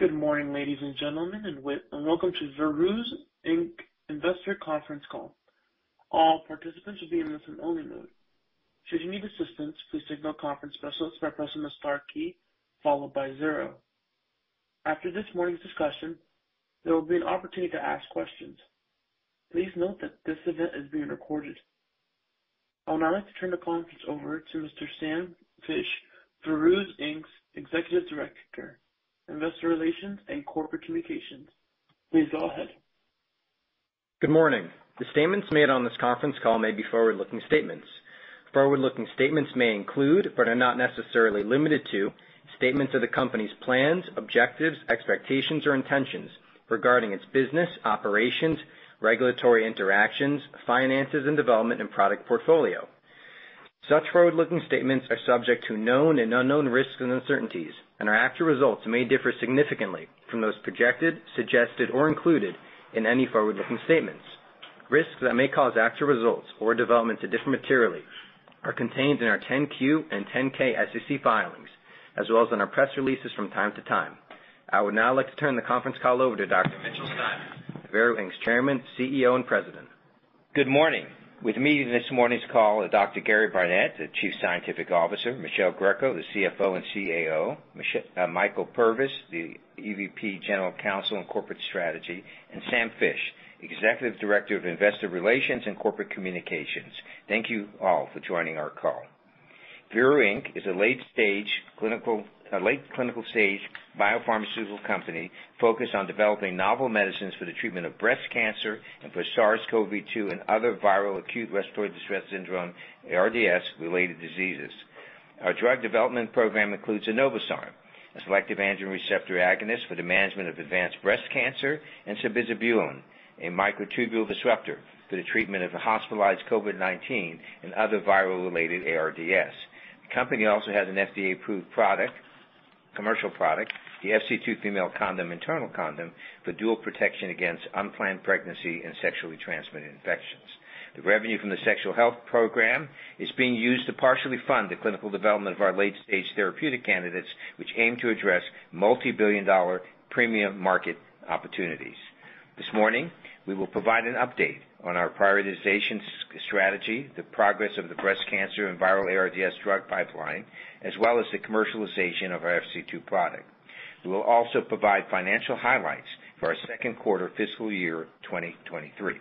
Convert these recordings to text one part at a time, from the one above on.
Good morning, ladies and gentlemen, and welcome to Veru Inc Investor Conference Call. All participants will be in listen only mode. Should you need assistance, please signal conference specialists by pressing the star key followed by zero. After this morning's discussion, there will be an opportunity to ask questions. Please note that this event is being recorded. I would now like to turn the conference over to Mr. Samuel Fisch, Veru Inc.'s Executive Director, Investor Relations and Corporate Communications. Please go ahead. Good morning. The statements made on this conference call may be forward-looking statements. Forward-looking statements may include, but are not necessarily limited to, statements of the company's plans, objectives, expectations, or intentions regarding its business, operations, regulatory interactions, finances and development and product portfolio. Such forward-looking statements are subject to known and unknown risks and uncertainties, and our actual results may differ significantly from those projected, suggested, or included in any forward-looking statements. Risks that may cause actual results or developments to differ materially are contained in our 10-Q and 10-K SEC filings, as well as in our press releases from time to time. I would now like to turn the conference call over to Dr. Mitchell Steiner, Veru Inc.'s Chairman, CEO and President. Good morning. With me in this morning's call are Dr. Gary Barnette, the Chief Scientific Officer. Michele Greco, the CFO and CAO. Michael Purvis, the EVP General Counsel and Corporate Strategy, and Samuel Fisch, Executive Director of Investor Relations and Corporate Communications. Thank you all for joining our call. Veru Inc is a late clinical stage biopharmaceutical company focused on developing novel medicines for the treatment of breast cancer and for SARS-CoV-2 and other viral acute respiratory distress syndrome, ARDS, related diseases. Our drug development program includes enobosarm, a selective androgen receptor agonist for the management of advanced breast cancer, and sabizabulin, a microtubule disruptor for the treatment of hospitalized COVID-19 and other viral related ARDS. The company also has an FDA-approved product, commercial product, the FC2 Female Condom, internal condom for dual protection against unplanned pregnancy and sexually transmitted infections. The revenue from the sexual health program is being used to partially fund the clinical development of our late-stage therapeutic candidates, which aim to address multi-billion dollar premium market opportunities. This morning, we will provide an update on our prioritization strategy, the progress of the breast cancer and viral ARDS drug pipeline, as well as the commercialization of our FC2 product. We will also provide financial highlights for our second quarter fiscal year 2023.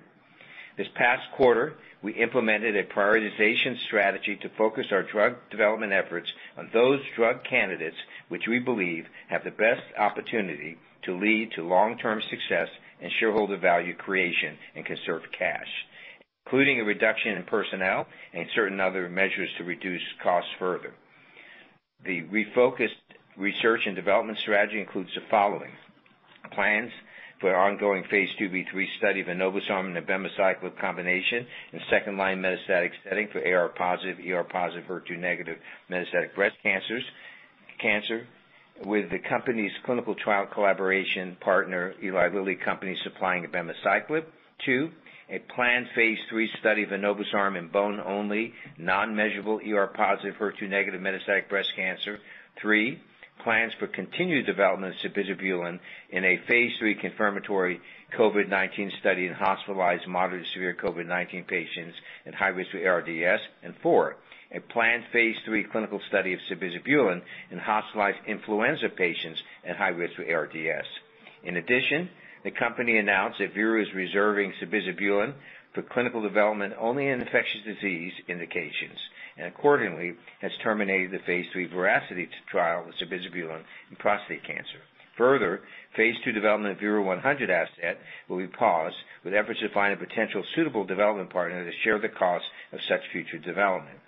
This past quarter, we implemented a prioritization strategy to focus our drug development efforts on those drug candidates, which we believe have the best opportunity to lead to long-term success and shareholder value creation and conserve cash, including a reduction in personnel and certain other measures to reduce costs further. The refocused research and development strategy includes the following. Plans for ongoing Phase II by 3 study of enobosarm and abemaciclib combination in second line metastatic setting for AR-positive, ER-positive, HER2-negative metastatic breast cancer, with the company's clinical trial collaboration partner, Eli Lilly and Company, supplying abemaciclib. 2, a planned Phase III study of enobosarm in bone-only, non-measurable ER-positive, HER2-negative metastatic breast cancer. 3, plans for continued development of sabizabulin in a Phase III confirmatory COVID-19 study in hospitalized moderate to severe COVID-19 patients and high risk for ARDS. 4, a planned Phase III clinical study of sabizabulin in hospitalized influenza patients at high risk for ARDS. In addition, the company announced that Veru is reserving sabizabulin for clinical development only in infectious disease indications and accordingly has terminated the Phase III VERACITY trial with sabizabulin in prostate cancer. Phase II development of VERU-100 asset will be paused with efforts to find a potential suitable development partner to share the cost of such future development.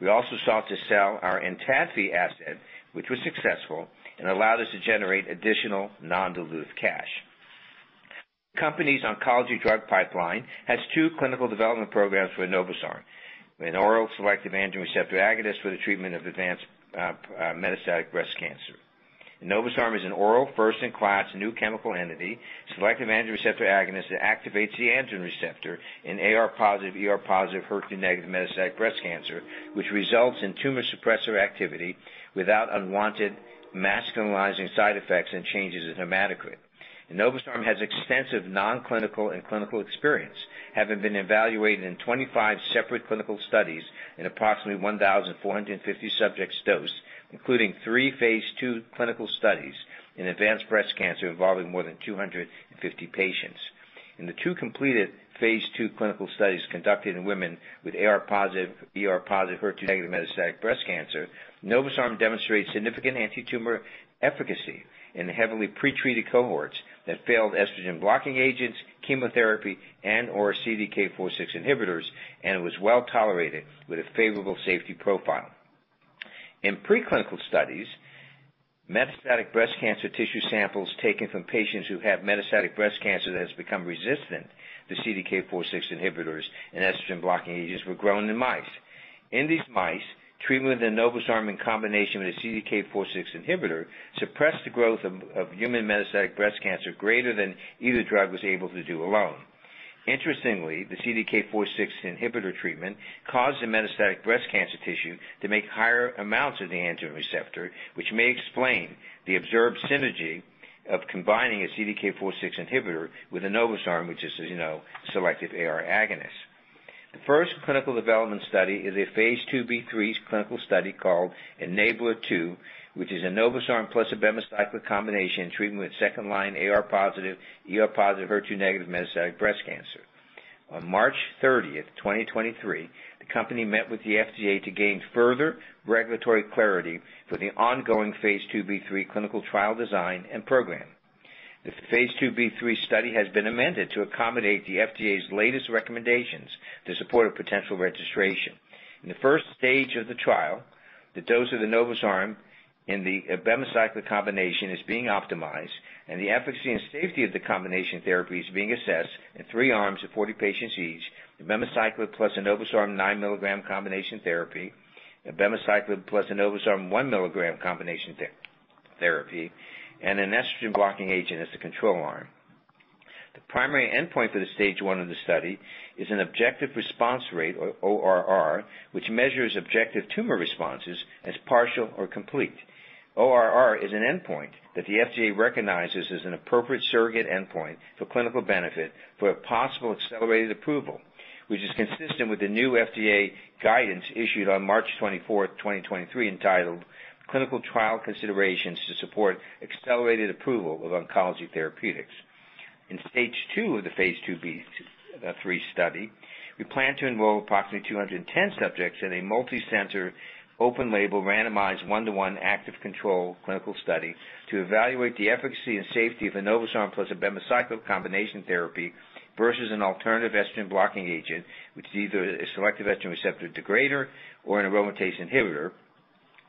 We also sought to sell our ENTADFI asset, which was successful and allowed us to generate additional non-dilutive cash. Company's oncology drug pipeline has 2 clinical development programs for enobosarm, an oral selective androgen receptor agonist for the treatment of advanced metastatic breast cancer. enobosarm is an oral first-in-class new chemical entity, selective androgen receptor agonist that activates the androgen receptor in AR-positive, ER-positive, HER2-negative metastatic breast cancer, which results in tumor suppressor activity without unwanted masculinizing side effects and changes in hematocrit. enobosarm has extensive non-clinical and clinical experience, having been evaluated in 25 separate clinical studies in approximately 1,450 subjects dosed including 3 Phase II clinical studies in advanced breast cancer involving more than 250 patients. In the 2 completed Phase II clinical studies conducted in women with AR-positive, ER-positive, HER2-negative metastatic breast cancer, enobosarm demonstrates significant antitumor efficacy in heavily pretreated cohorts that failed estrogen blocking agents, chemotherapy and/or CDK4/6 inhibitors and was well-tolerated with a favorable safety profile. In preclinical studies, metastatic breast cancer tissue samples taken from patients who have metastatic breast cancer that has become resistant to CDK4/6 inhibitors and estrogen blocking agents were grown in mice. In these mice, treatment with enobosarm in combination with a CDK4/6 inhibitor suppressed the growth of human metastatic breast cancer greater than either drug was able to do alone. Interestingly, the CDK4/6 inhibitor treatment caused the metastatic breast cancer tissue to make higher amounts of the androgen receptor, which may explain the observed synergy of combining a CDK4/6 inhibitor with Inovosaarm, which is as you know, selective AR agonist. The first clinical development study is a Phase IIb/3 clinical study called ENABLAR-2, which is Inovosaarm plus abemaciclib combination treatment with second-line AR-positive, ER-positive, HER2-negative metastatic breast cancer. On March 30, 2023, the company met with the FDA to gain further regulatory clarity for the ongoing Phase IIb/3 clinical trial design and program. The Phase IIb/3 study has been amended to accommodate the FDA's latest recommendations to support a potential registration. In the first stage of the trial, the dose of the enobosarm in the abemaciclib combination is being optimized, and the efficacy and safety of the combination therapy is being assessed in 3 arms of 40 patients each, abemaciclib plus enobosarm 9 milligram combination therapy, abemaciclib plus enobosarm 1 milligram combination therapy, and an estrogen-blocking agent as a control arm. The primary endpoint for the stage 1 of the study is an objective response rate or ORR, which measures objective tumor responses as partial or complete. ORR is an endpoint that the FDA recognizes as an appropriate surrogate endpoint for clinical benefit for a possible accelerated approval, which is consistent with the new FDA guidance issued on March 24, 2023, entitled Clinical Trial Considerations to Support Accelerated Approval of Oncology Therapeutics. In stage 2 of the Phase II B, 3 study, we plan to enroll approximately 210 subjects in a multi-center open label randomized 1-to-1 active control clinical study to evaluate the efficacy and safety of enobosarm plus abemaciclib combination therapy versus an alternative estrogen-blocking agent, which is either a selective estrogen receptor degrader or an aromatase inhibitor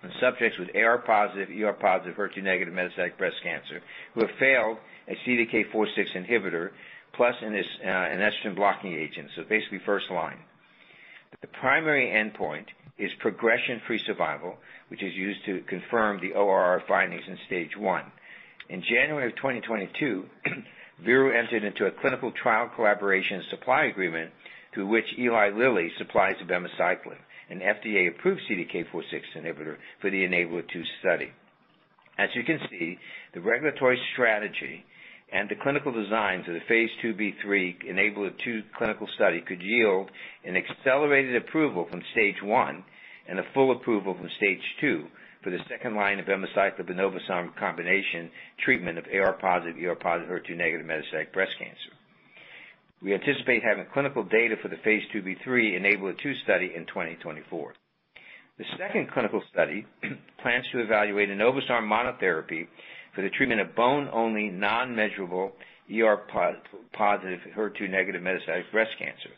in subjects with AR-positive, ER-positive, HER2-negative metastatic breast cancer who have failed a CDK4/6 inhibitor plus an estrogen-blocking agent, so basically first line. The primary endpoint is progression-free survival, which is used to confirm the ORR findings in stage 1. In January of 2022, Veru entered into a clinical trial collaboration supply agreement through which Eli Lilly supplies abemaciclib, an FDA-approved CDK4/6 inhibitor for the ENABLAR-2 study. As you can see, the regulatory strategy and the clinical designs of the Phase IIb/3 ENABLAR-2 clinical study could yield an accelerated approval from stage one and a full approval from stage two for the second-line abemaciclib enobosarm combination treatment of AR-positive, ER-positive, HER2-negative metastatic breast cancer. We anticipate having clinical data for the Phase IIb/3 ENABLAR-2 study in 2024. The second clinical study plans to evaluate enobosarm monotherapy for the treatment of bone-only non-measurable ER-positive, HER2-negative metastatic breast cancer.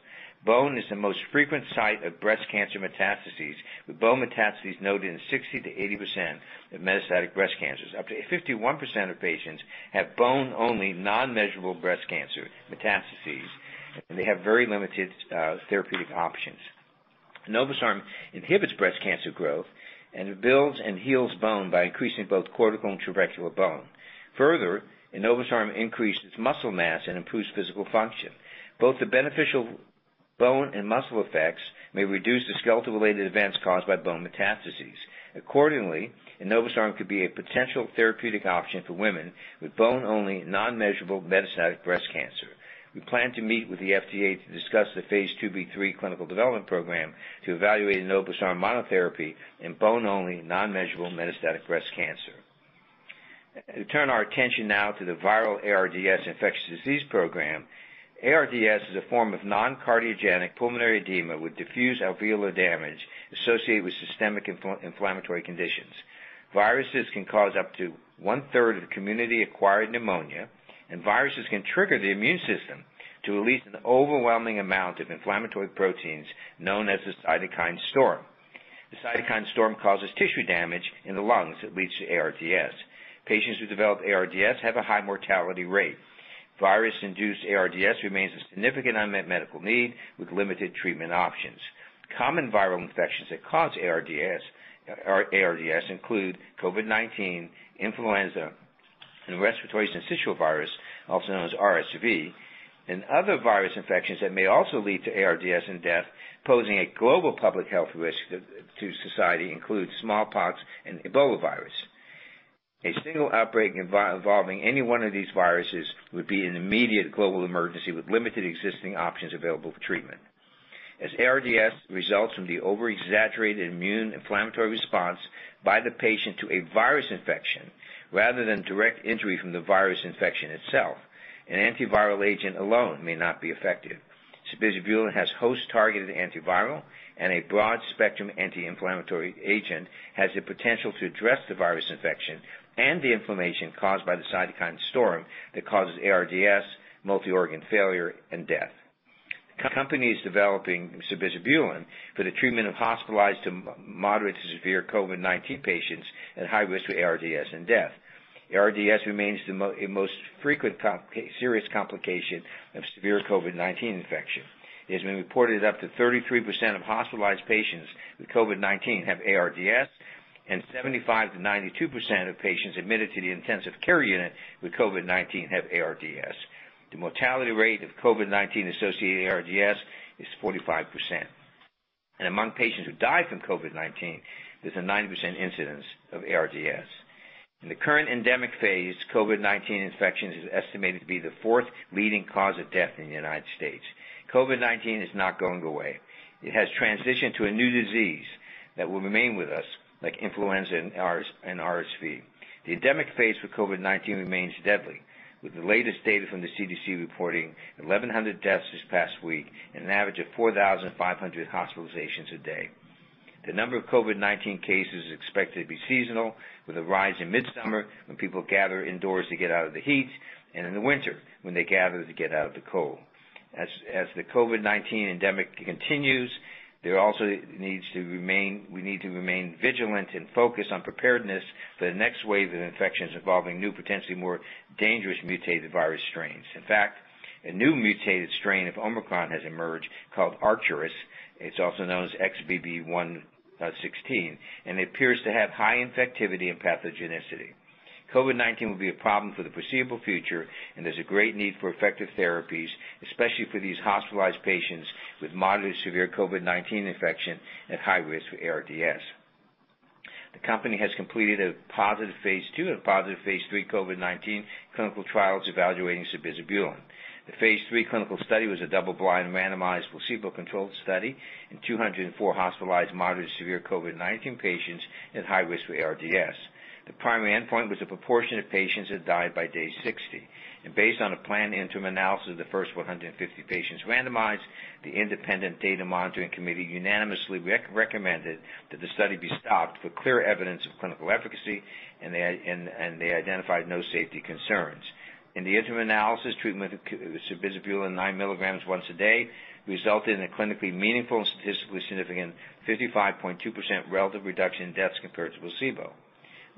Bone is the most frequent site of breast cancer metastases with bone metastases noted in 60%-80% of metastatic breast cancers. Up to 51% of patients have bone-only non-measurable breast cancer metastases, they have very limited therapeutic options. enobosarm inhibits breast cancer growth and it builds and heals bone by increasing both cortical and trabecular bone. Further, enobosarm increases muscle mass and improves physical function. Both the beneficial bone and muscle effects may reduce the skeletal-related events caused by bone metastases. Accordingly, enobosarm could be a potential therapeutic option for women with bone-only non-measurable metastatic breast cancer. We plan to meet with the FDA to discuss the Phase IIb/3 clinical development program to evaluate enobosarm monotherapy in bone-only non-measurable metastatic breast cancer. Turn our attention now to the viral ARDS infectious disease program. ARDS is a form of non-cardiogenic pulmonary edema with diffuse alveolar damage associated with systemic inflammatory conditions. Viruses can cause up to one-third of community acquired pneumonia, and viruses can trigger the immune system to release an overwhelming amount of inflammatory proteins known as a cytokine storm. The cytokine storm causes tissue damage in the lungs that leads to ARDS. Patients who develop ARDS have a high mortality rate. Virus-induced ARDS remains a significant unmet medical need with limited treatment options. Common viral infections that cause ARDS include COVID-19, influenza, and respiratory syncytial virus, also known as RSV, and other virus infections that may also lead to ARDS and death, posing a global public health risk to society includes smallpox and Ebola virus. A single outbreak involving any one of these viruses would be an immediate global emergency with limited existing options available for treatment. As ARDS results from the over-exaggerated immune inflammatory response by the patient to a virus infection rather than direct injury from the virus infection itself, an antiviral agent alone may not be effective. Cibisibulin has host-targeted antiviral and a broad-spectrum anti-inflammatory agent, has the potential to address the virus infection and the inflammation caused by the cytokine storm that causes ARDS, multi-organ failure, and death. Company is developing cibisibulin for the treatment of hospitalized to moderate to severe COVID-19 patients at high risk for ARDS and death. ARDS remains the most frequent serious complication of severe COVID-19 infection. It has been reported up to 33% of hospitalized patients with COVID-19 have ARDS, and 75%-92% of patients admitted to the intensive care unit with COVID-19 have ARDS. The mortality rate of COVID-19-associated ARDS is 45%. Among patients who die from COVID-19, there's a 90% incidence of ARDS. In the current endemic phase, COVID-19 infections is estimated to be the fourth leading cause of death in the United States. COVID-19 is not going away. It has transitioned to a new disease that will remain with us, like influenza and RSV. The endemic phase with COVID-19 remains deadly, with the latest data from the CDC reporting 1,100 deaths this past week and an average of 4,500 hospitalizations a day. The number of COVID-19 cases is expected to be seasonal, with a rise in midsummer when people gather indoors to get out of the heat, and in the winter when they gather to get out of the cold. As the COVID-19 endemic continues, we need to remain vigilant and focused on preparedness for the next wave of infections involving new, potentially more dangerous mutated virus strains. In fact, a new mutated strain of Omicron has emerged called Arcturus. It's also known as XBB.1.16, and it appears to have high infectivity and pathogenicity. COVID-19 will be a problem for the foreseeable future, and there's a great need for effective therapies, especially for these hospitalized patients with moderate to severe COVID-19 infection at high risk for ARDS. The company has completed a positive phase II and a positive phase III COVID-19 clinical trials evaluating sabizabulin. The phase III clinical study was a double-blind, randomized, placebo-controlled study in 204 hospitalized moderate to severe COVID-19 patients at high risk for ARDS. The primary endpoint was the proportion of patients that died by day 60. Based on a planned interim analysis of the first 150 patients randomized, the independent data monitoring committee unanimously recommended that the study be stopped for clear evidence of clinical efficacy, and they identified no safety concerns. In the interim analysis, treatment with sabizabulin 9 milligrams once a day resulted in a clinically meaningful and statistically significant 55.2% relative reduction in deaths compared to placebo.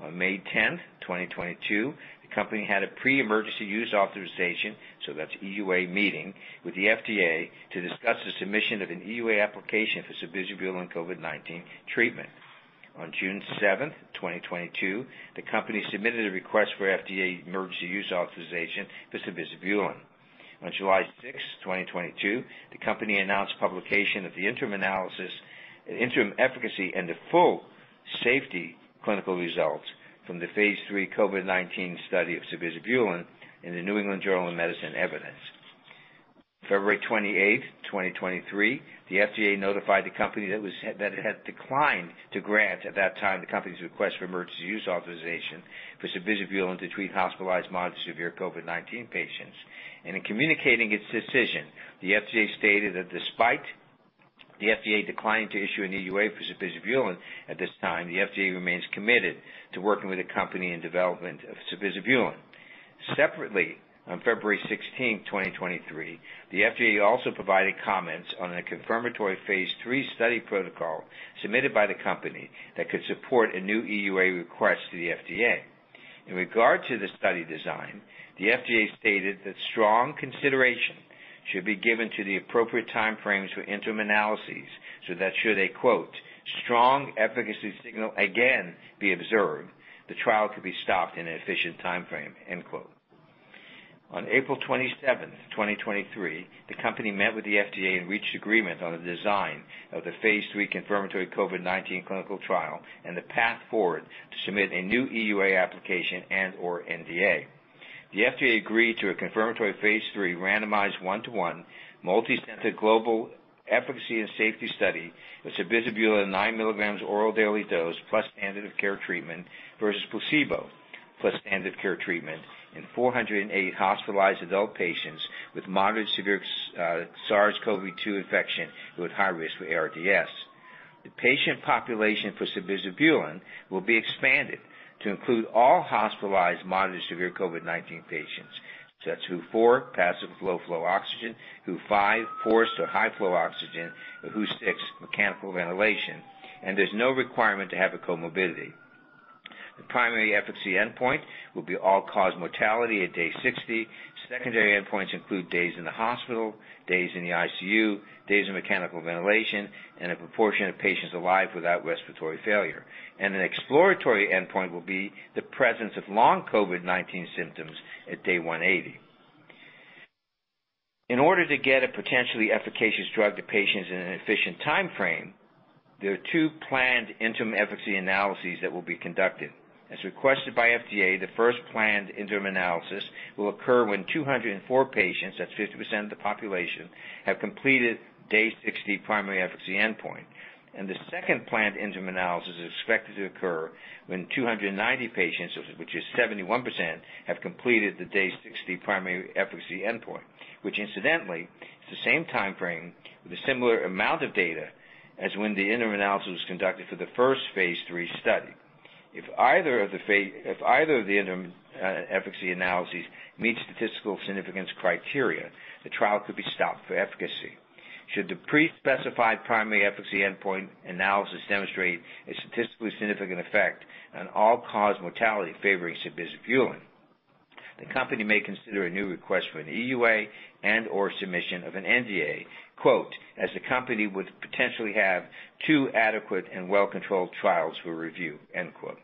On May 10, 2022, the company had a pre-emergency use authorization, so that's EUA, meeting with the FDA to discuss the submission of an EUA application for sabizabulin COVID-19 treatment. On June 7, 2022, the company submitted a request for FDA emergency use authorization for sabizabulin. On July 6, 2022, the company announced publication of the interim analysis, interim efficacy, and the full safety clinical results from the Phase III COVID-19 study of sabizabulin in the NEJM Evidence. February 28, 2023, the FDA notified the company that it had declined to grant, at that time, the company's request for emergency use authorization for sabizabulin to treat hospitalized mild to severe COVID-19 patients. In communicating its decision, the FDA stated that despite the FDA declining to issue an EUA for sabizabulin at this time, the FDA remains committed to working with the company in development of sabizabulin. Separately, on February 16, 2023, the FDA also provided comments on a confirmatory Phase III study protocol submitted by the company that could support a new EUA request to the FDA. In regard to the study design, the FDA stated that strong consideration should be given to the appropriate time frames for interim analyses, so that should a, quote, "strong efficacy signal again be observed, the trial could be stopped in an efficient time frame," end quote. On April 27th, 2023, the company met with the FDA and reached agreement on the design of the phase III confirmatory COVID-19 clinical trial and the path forward to submit a new EUA application and/or NDA. The FDA agreed to a confirmatory phase III randomized 1-to-1 multicenter global efficacy and safety study of sabizabulin 9 milligrams oral daily dose plus standard of care treatment versus placebo plus standard of care treatment in 480 hospitalized adult patients with moderate severe SARS-CoV-2 infection who are at high risk for ARDS. The patient population for sabizabulin will be expanded to include all hospitalized moderate to severe COVID-19 patients. That's WHO 4, passive low flow oxygen, WHO 5, forced or high flow oxygen, and WHO 6, mechanical ventilation. There's no requirement to have a comorbidity. The primary efficacy endpoint will be all-cause mortality at day 60. Secondary endpoints include days in the hospital, days in the ICU, days on mechanical ventilation, and a proportion of patients alive without respiratory failure. An exploratory endpoint will be the presence of long COVID-19 symptoms at day 180. In order to get a potentially efficacious drug to patients in an efficient time frame, there are 2 planned interim efficacy analyses that will be conducted. As requested by FDA, the first planned interim analysis will occur when 204 patients, that's 50% of the population, have completed day 60 primary efficacy endpoint. The second planned interim analysis is expected to occur when 290 patients, which is 71%, have completed the day 60 primary efficacy endpoint, which incidentally is the same time frame with a similar amount of data as when the interim analysis was conducted for the first phase III study. If either of the interim efficacy analyses meets statistical significance criteria, the trial could be stopped for efficacy should the pre-specified primary efficacy endpoint analysis demonstrate a statistically significant effect on all-cause mortality favoring sabizabulin. The company may consider a new request for an EUA and or submission of an NDA, quote, "As the company would potentially have two adequate and well-controlled trials for review," end quote.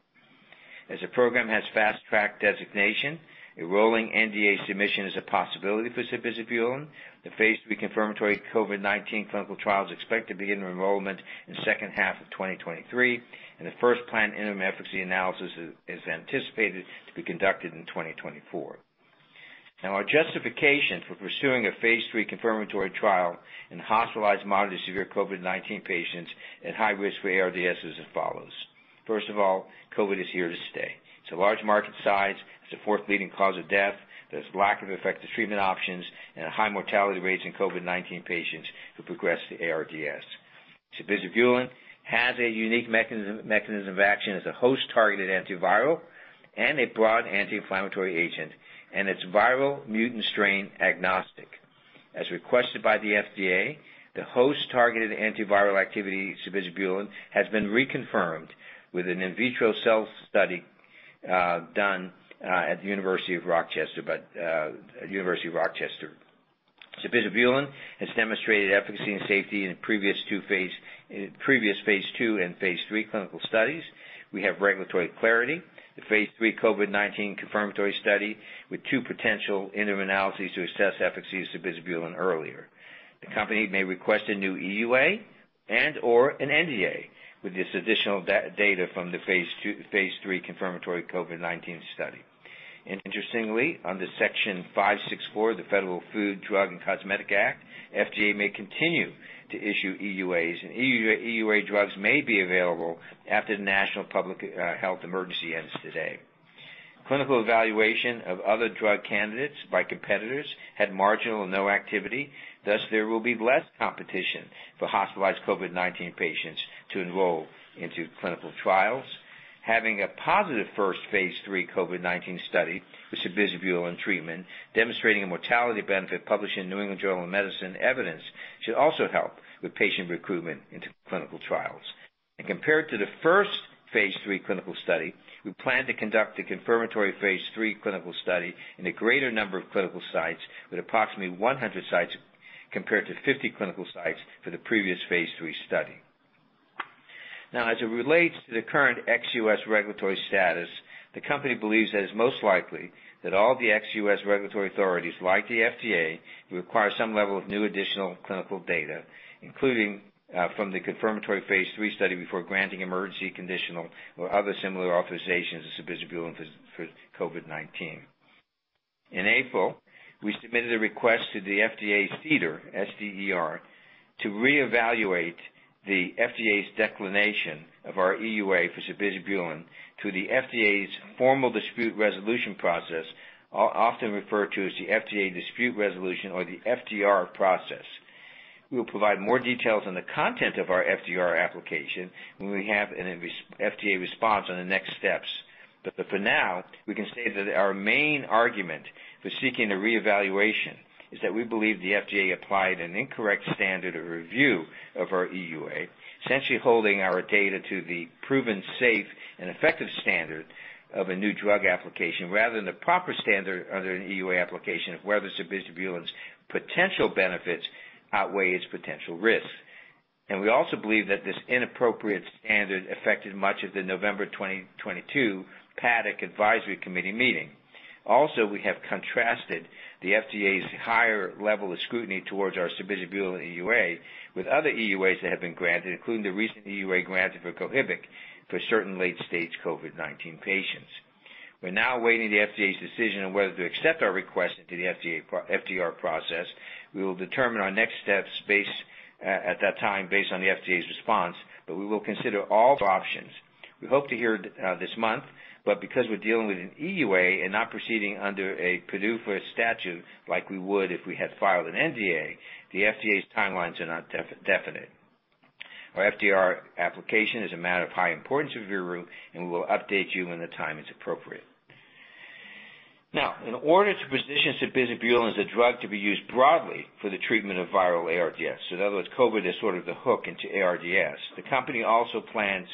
The program has Fast Track designation, a rolling NDA submission is a possibility for sabizabulin. The phase III confirmatory COVID-19 clinical trial is expected to begin enrollment in second half of 2023, and the first planned interim efficacy analysis is anticipated to be conducted in 2024. Our justification for pursuing a phase III confirmatory trial in hospitalized mild to severe COVID-19 patients at high risk for ARDS is as follows. First of all, COVID is here to stay. It's a large market size, it's the fourth leading cause of death. There's lack of effective treatment options and a high mortality rates in COVID-19 patients who progress to ARDS. Cibisibulin has a unique mechanism of action as a host-targeted antiviral and a broad anti-inflammatory agent, and it's viral mutant strain agnostic. As requested by the FDA, the host targeted antiviral activity of cibisibulin has been reconfirmed with an in vitro cell study done at the University of Rochester by the University of Rochester. Cibisibulin has demonstrated efficacy and safety in previous phase II and phase III clinical studies. We have regulatory clarity. The phase III COVID-19 confirmatory study with two potential interim analyses to assess efficacy of cibisibulin earlier. The company may request a new EUA and or an NDA with this additional data from the Phase III confirmatory COVID-19 study. Interestingly, under Section 564 of the Federal Food, Drug, and Cosmetic Act, FDA may continue to issue EUAs, and EUA drugs may be available after the national public health emergency ends today. Clinical evaluation of other drug candidates by competitors had marginal or no activity. Thus, there will be less competition for hospitalized COVID-19 patients to enroll into clinical trials. Having a positive first Phase III COVID-19 study with cibisibulin treatment demonstrating a mortality benefit published in New England Journal of Medicine Evidence should also help with patient recruitment into clinical trials. Compared to the first phase III clinical study, we plan to conduct a confirmatory phase III clinical study in a greater number of clinical sites, with approximately 100 sites compared to 50 clinical sites for the previous phase III study. Now, as it relates to the current ex-US regulatory status, the company believes that it's most likely that all the ex-US regulatory authorities, like the FDA, will require some level of new additional clinical data, including from the confirmatory phase III study, before granting emergency conditional or other similar authorizations of cibisibulin for COVID-19. In April, we submitted a request to the FDA's CDER, C-D-E-R, to reevaluate the FDA's declination of our EUA for cibisibulin through the FDA's formal dispute resolution process, often referred to as the FDA Dispute Resolution or the FDR process. We will provide more details on the content of our FDR application when we have an FDA response on the next steps. For now, we can state that our main argument for seeking a reevaluation is that we believe the FDA applied an incorrect standard of review of our EUA, essentially holding our data to the proven safe and effective standard of a new drug application, rather than the proper standard under an EUA application of whether Cibisibulin's potential benefits outweigh its potential risks. We also believe that this inappropriate standard affected much of the November 2022 Paddock Advisory Committee meeting. Also, we have contrasted the FDA's higher level of scrutiny towards our Cibisibulin EUA with other EUAs that have been granted, including the recent EUA granted for Kohibic for certain late-stage COVID-19 patients. We're now awaiting the FDA's decision on whether to accept our request into the FDA FDR process. We will determine our next steps based at that time, based on the FDA's response, but we will consider all options. We hope to hear this month, but because we're dealing with an EUA and not proceeding under a PDUFA statute like we would if we had filed an NDA, the FDA's timelines are not definite. Our FDR application is a matter of high importance to Veru, and we will update you when the time is appropriate. In order to position cibisibulin as a drug to be used broadly for the treatment of viral ARDS, so in other words, COVID is sort of the hook into ARDS, the company also plans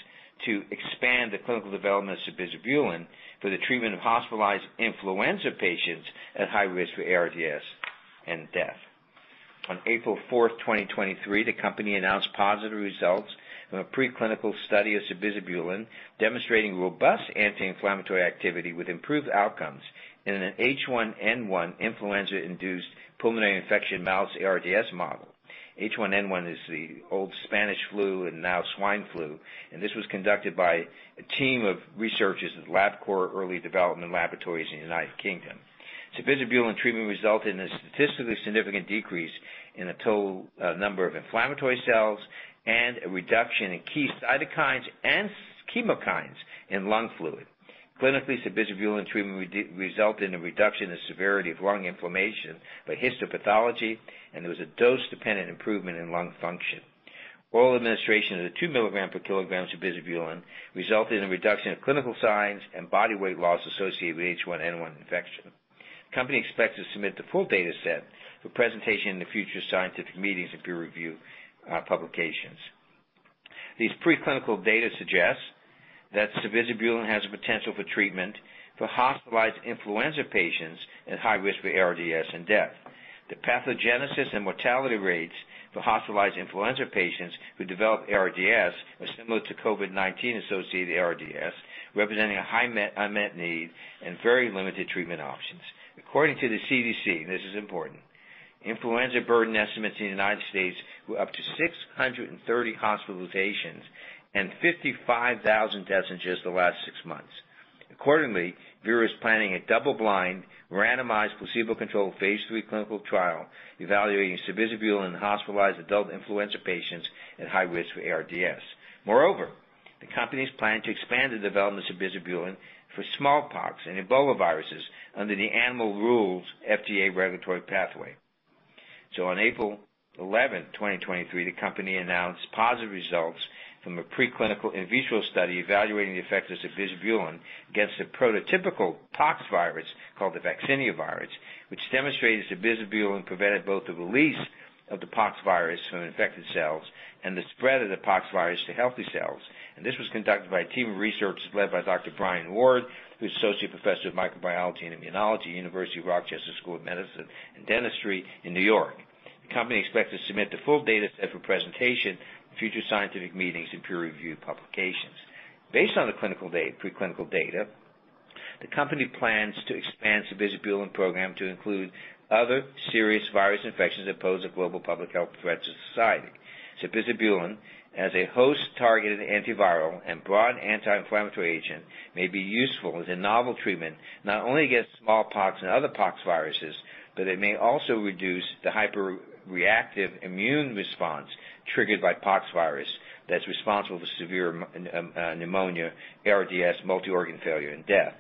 to expand the clinical development of cibisibulin for the treatment of hospitalized influenza patients at high risk for ARDS and death. On April 4th, 2023, the company announced positive results from a preclinical study of cibisibulin, demonstrating robust anti-inflammatory activity with improved outcomes in an H1N1 influenza-induced pulmonary infection mouse ARDS model. H1N1 is the old Spanish flu and now swine flu, and this was conducted by a team of researchers at Labcorp Early Development Laboratories in the United Kingdom. Cibisibulin treatment resulted in a statistically significant decrease in the total number of inflammatory cells and a reduction in key cytokines and chemokines in lung fluid. Clinically, cibisibulin treatment resulted in a reduction in severity of lung inflammation by histopathology, and there was a dose-dependent improvement in lung function. Oral administration of the two milligram per kilogram cibisibulin resulted in a reduction in clinical signs and body weight loss associated with H1N1 infection. Company expects to submit the full data set for presentation in the future scientific meetings and peer review publications. These preclinical data suggests that cibisibulin has the potential for treatment for hospitalized influenza patients at high risk for ARDS and death. The pathogenesis and mortality rates for hospitalized influenza patients who develop ARDS are similar to COVID-19-associated ARDS, representing a high unmet need and very limited treatment options. According to the CDC, this is important, influenza burden estimates in the United States were up to 630 hospitalizations and 55,000 deaths in just the last six months. Accordingly, Veru is planning a double-blind, randomized, placebo-controlled Phase III clinical trial evaluating cibisibulin in hospitalized adult influenza patients at high risk for ARDS. Moreover, the company's plan to expand the development of cibisibulin for smallpox and Ebola viruses under the Animal Rule FDA regulatory pathway. On April 11, 2023, the company announced positive results from a preclinical in vitro study evaluating the effects of cibisibulin against the prototypical poxvirus called the vaccinia virus, which demonstrated cibisibulin prevented both the release of the poxvirus from infected cells and the spread of the poxvirus to healthy cells. This was conducted by a team of researchers led by Dr. Brian Ward, who's Associate Professor of Microbiology and Immunology at University of Rochester School of Medicine and Dentistry in New York. The company expects to submit the full data set for presentation in future scientific meetings and peer review publications. Based on the preclinical data, the company plans to expand Cibisibulin program to include other serious virus infections that pose a global public health threat to society. Cibisibulin, as a host-targeted antiviral and broad anti-inflammatory agent, may be useful as a novel treatment, not only against smallpox and other poxviruses, but it may also reduce the hyperreactive immune response triggered by poxvirus that's responsible for severe pneumonia, ARDS, multi-organ failure, and death.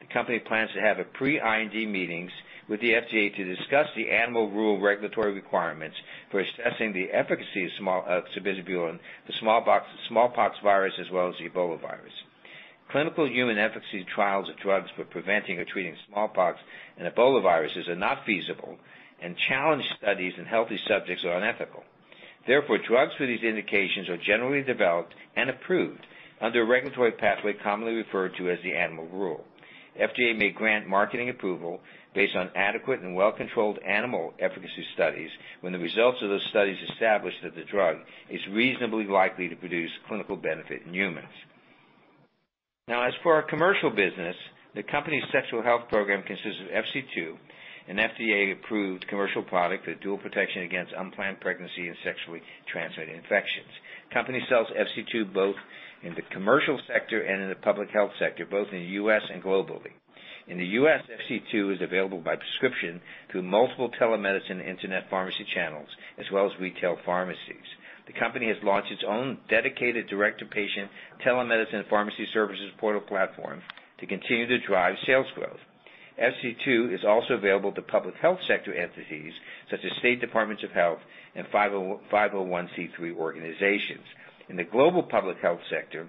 The company plans to have a pre-IND meetings with the FDA to discuss the Animal Rule regulatory requirements for assessing the efficacy of Cibisibulin for smallpox virus, as well as the Ebola virus. Clinical human efficacy trials of drugs for preventing or treating smallpox and Ebola viruses are not feasible, and challenge studies in healthy subjects are unethical. Therefore, drugs for these indications are generally developed and approved under a regulatory pathway commonly referred to as the Animal Rule. FDA may grant marketing approval based on adequate and well-controlled animal efficacy studies when the results of those studies establish that the drug is reasonably likely to produce clinical benefit in humans. As for our commercial business, the Company's sexual health program consists of FC2, an FDA-approved commercial product with dual protection against unplanned pregnancy and sexually transmitted infections. The Company sells FC2 both in the commercial sector and in the public health sector, both in the U.S. and globally. In the U.S., FC2 is available by prescription through multiple telemedicine internet pharmacy channels as well as retail pharmacies. The Company has launched its own dedicated direct-to-patient telemedicine pharmacy services portal platform to continue to drive sales growth. FC2 is also available to public health sector entities such as state departments of health and 501(c)(3) organizations. In the global public health sector,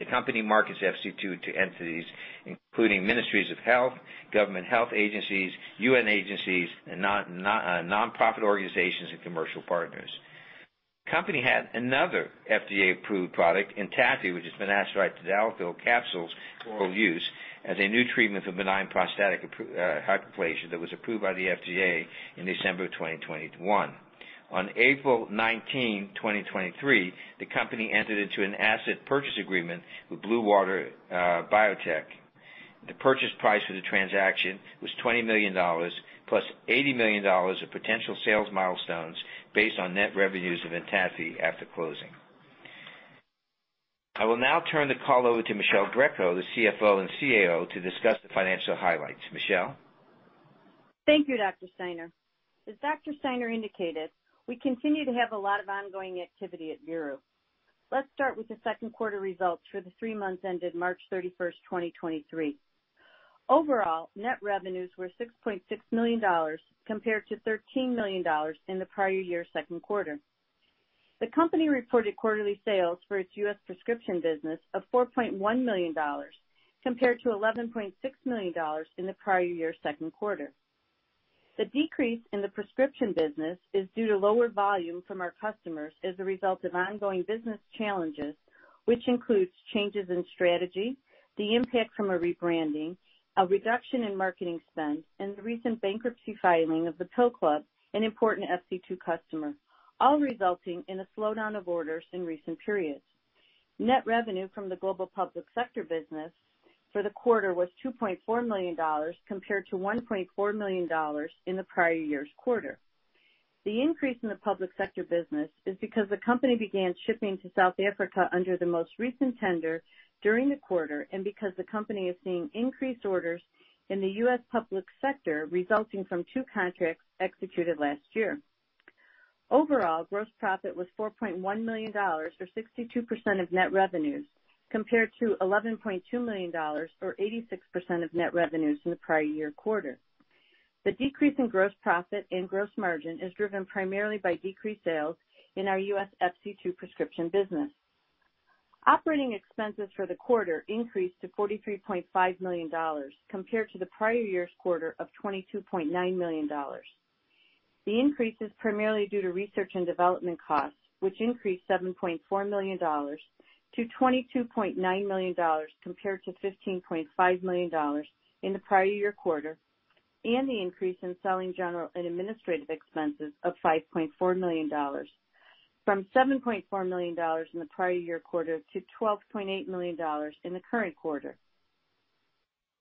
the company markets FC2 to entities, including ministries of health, government health agencies, UN agencies, and nonprofit organizations and commercial partners. Company had another FDA-approved product, ENTADFI, which is finasteride topical capsules for use as a new treatment for benign prostatic hyperplasia that was approved by the FDA in December of 2021. On April 19, 2023, the company entered into an asset purchase agreement with Blue Water Biotech. The purchase price for the transaction was $20 million, plus $80 million of potential sales milestones based on net revenues of ENTADFI after closing. I will now turn the call over to Michele Greco, the CFO and CAO, to discuss the financial highlights. Michele? Thank you, Dr. Steiner. As Dr. Steiner indicated, we continue to have a lot of ongoing activity at Veru. Let's start with the second quarter results for the 3 months ended March 31st, 2023. Overall, net revenues were $6.6 million compared to $13 million in the prior year's second quarter. The company reported quarterly sales for its U.S. prescription business of $4.1 million compared to $11.6 million in the prior year's second quarter. The decrease in the prescription business is due to lower volume from our customers as a result of ongoing business challenges, which includes changes in strategy, the impact from a rebranding, a reduction in marketing spend, and the recent bankruptcy filing of The Pill Club, an important FC2 customer, all resulting in a slowdown of orders in recent periods. Net revenue from the global public sector business for the quarter was $2.4 million compared to $1.4 million in the prior year's quarter. The increase in the public sector business is because the company began shipping to South Africa under the most recent tender during the quarter and because the company is seeing increased orders in the U.S. public sector resulting from two contracts executed last year. Overall, gross profit was $4.1 million, or 62% of net revenues, compared to $11.2 million, or 86% of net revenues in the prior year quarter. The decrease in gross profit and gross margin is driven primarily by decreased sales in our U.S. FC2 prescription business. Operating expenses for the quarter increased to $43.5 million compared to the prior year's quarter of $22.9 million. The increase is primarily due to research and development costs, which increased $7.4 million-$22.9 million compared to $15.5 million in the prior year quarter, and the increase in selling general and administrative expenses of $5.4 million from $7.4 million in the prior year quarter to $12.8 million in the current quarter.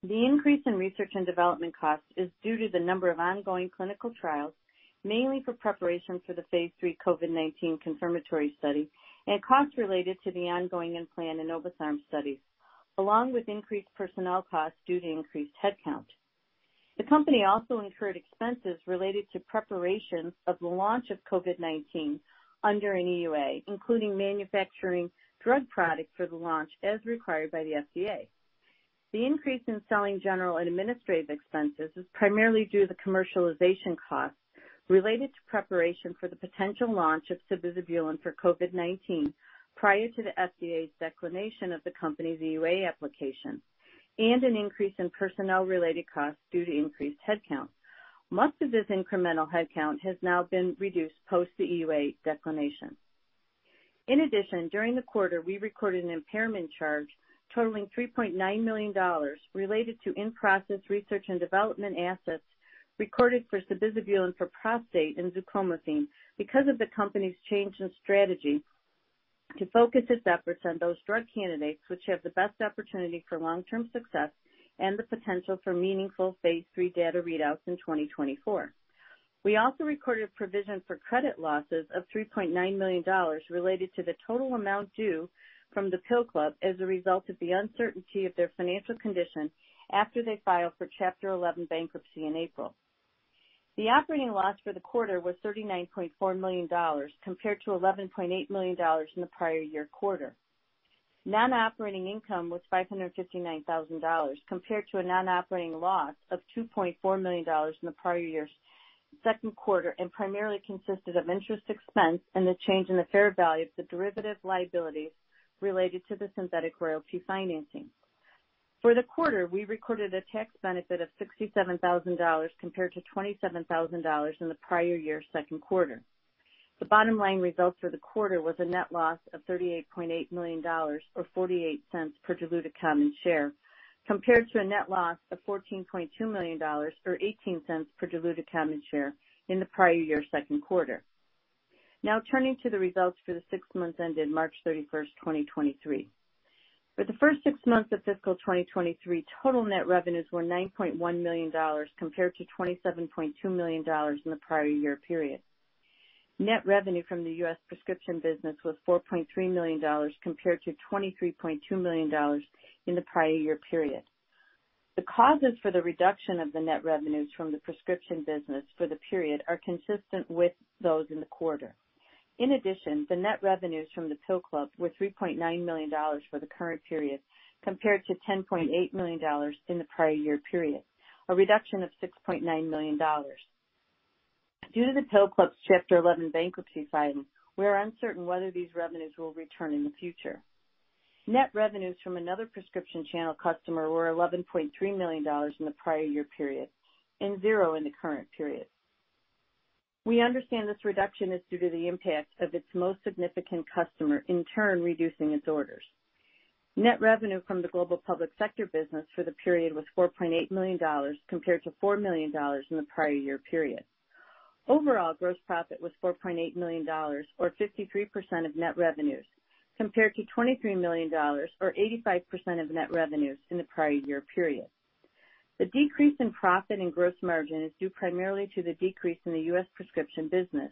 The increase in research and development costs is due to the number of ongoing clinical trials, mainly for preparation for the Phase III COVID-19 confirmatory study and costs related to the ongoing and planned Enobosarm studies, along with increased personnel costs due to increased headcount. The company also incurred expenses related to preparation of the launch of COVID-19 under an EUA, including manufacturing drug products for the launch as required by the FDA. The increase in selling general and administrative expenses is primarily due to the commercialization costs related to preparation for the potential launch of sabizabulin for COVID-19 prior to the FDA's declination of the company's EUA application and an increase in personnel-related costs due to increased headcount. Most of this incremental headcount has now been reduced post the EUA declination. During the quarter, we recorded an impairment charge totaling $3.9 million related to in-process research and development assets recorded for Cibisibulin for prostate and Zuclomiphene citrate because of the company's change in strategy to focus its efforts on those drug candidates which have the best opportunity for long-term success and the potential for meaningful Phase III data readouts in 2024. We also recorded provision for credit losses of $3.9 million related to the total amount due from The Pill Club as a result of the uncertainty of their financial condition after they filed for Chapter 11 bankruptcy in April. The operating loss for the quarter was $39.4 million compared to $11.8 million in the prior year quarter. Non-operating income was $559,000 compared to a non-operating loss of $2.4 million in the prior year's second quarter and primarily consisted of interest expense and the change in the fair value of the derivative liabilities related to the synthetic royalty financing. For the quarter, we recorded a tax benefit of $67,000 compared to $27,000 in the prior year's second quarter. The bottom-line result for the quarter was a net loss of $38.8 million, or $0.48 per diluted common share, compared to a net loss of $14.2 million or $0.18 per diluted common share in the prior year's second quarter. Turning to the results for the six months ended March 31st, 2023. For the first six months, of fiscal 2023 total net revenues were $9.1 million compared to $27.2 million in the prior year period. Net revenue from the US prescription business was $4.3 million compared to $23.2 million in the prior year period. The causes for the reduction of the net revenues from the prescription business for the period are consistent with those in the quarter. In addition, the net revenues from the PillClub were $3.9 million for the current period, compared to $10.8 million in the prior year period, a reduction of $6.9 million. Due to the PillClub's Chapter 11 bankruptcy filing, we are uncertain whether these revenues will return in the future. Net revenues from another prescription channel customer were $11.3 million in the prior year period and 0 in the current period. We understand this reduction is due to the impact of its most significant customer, in turn, reducing its orders. Net revenue from the global public sector business for the period was $4.8 million compared to $4 million in the prior year period. Overall, gross profit was $4.8 million, or 53% of net revenues, compared to $23 million or 85% of net revenues in the prior year period. The decrease in profit and gross margin is due primarily to the decrease in the U.S. prescription business.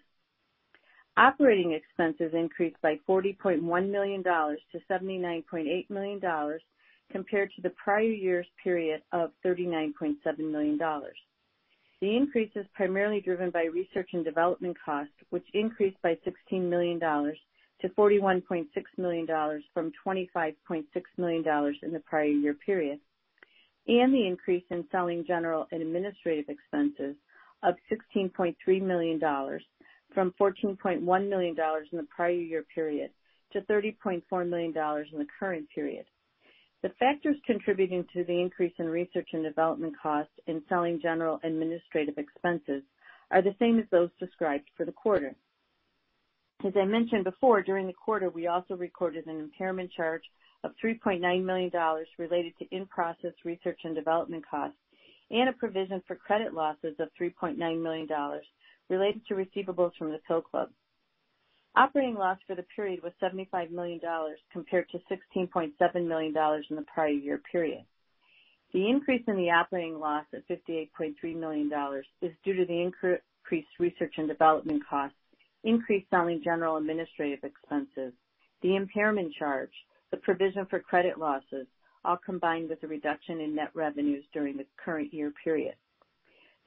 Operating expenses increased by $40.1 million-$79.8 million compared to the prior year's period of $39.7 million. The increase is primarily driven by research and development costs, which increased by $16 million-$41.6 million from $25.6 million in the prior year period, and the increase in selling general and administrative expenses of $16.3 million from $14.1 million in the prior year period to $30.4 million in the current period. The factors contributing to the increase in research and development costs and selling general administrative expenses are the same as those described for the quarter. As I mentioned before, during the quarter, we also recorded an impairment charge of $3.9 million related to in-process research and development costs and a provision for credit losses of $3.9 million related to receivables from The Pill Club. Operating loss for the period was $75 million compared to $16.7 million in the prior year period. The increase in the operating loss of $58.3 million is due to the increased research and development costs, increased selling general administrative expenses, the impairment charge, the provision for credit losses, all combined with the reduction in net revenues during the current year period.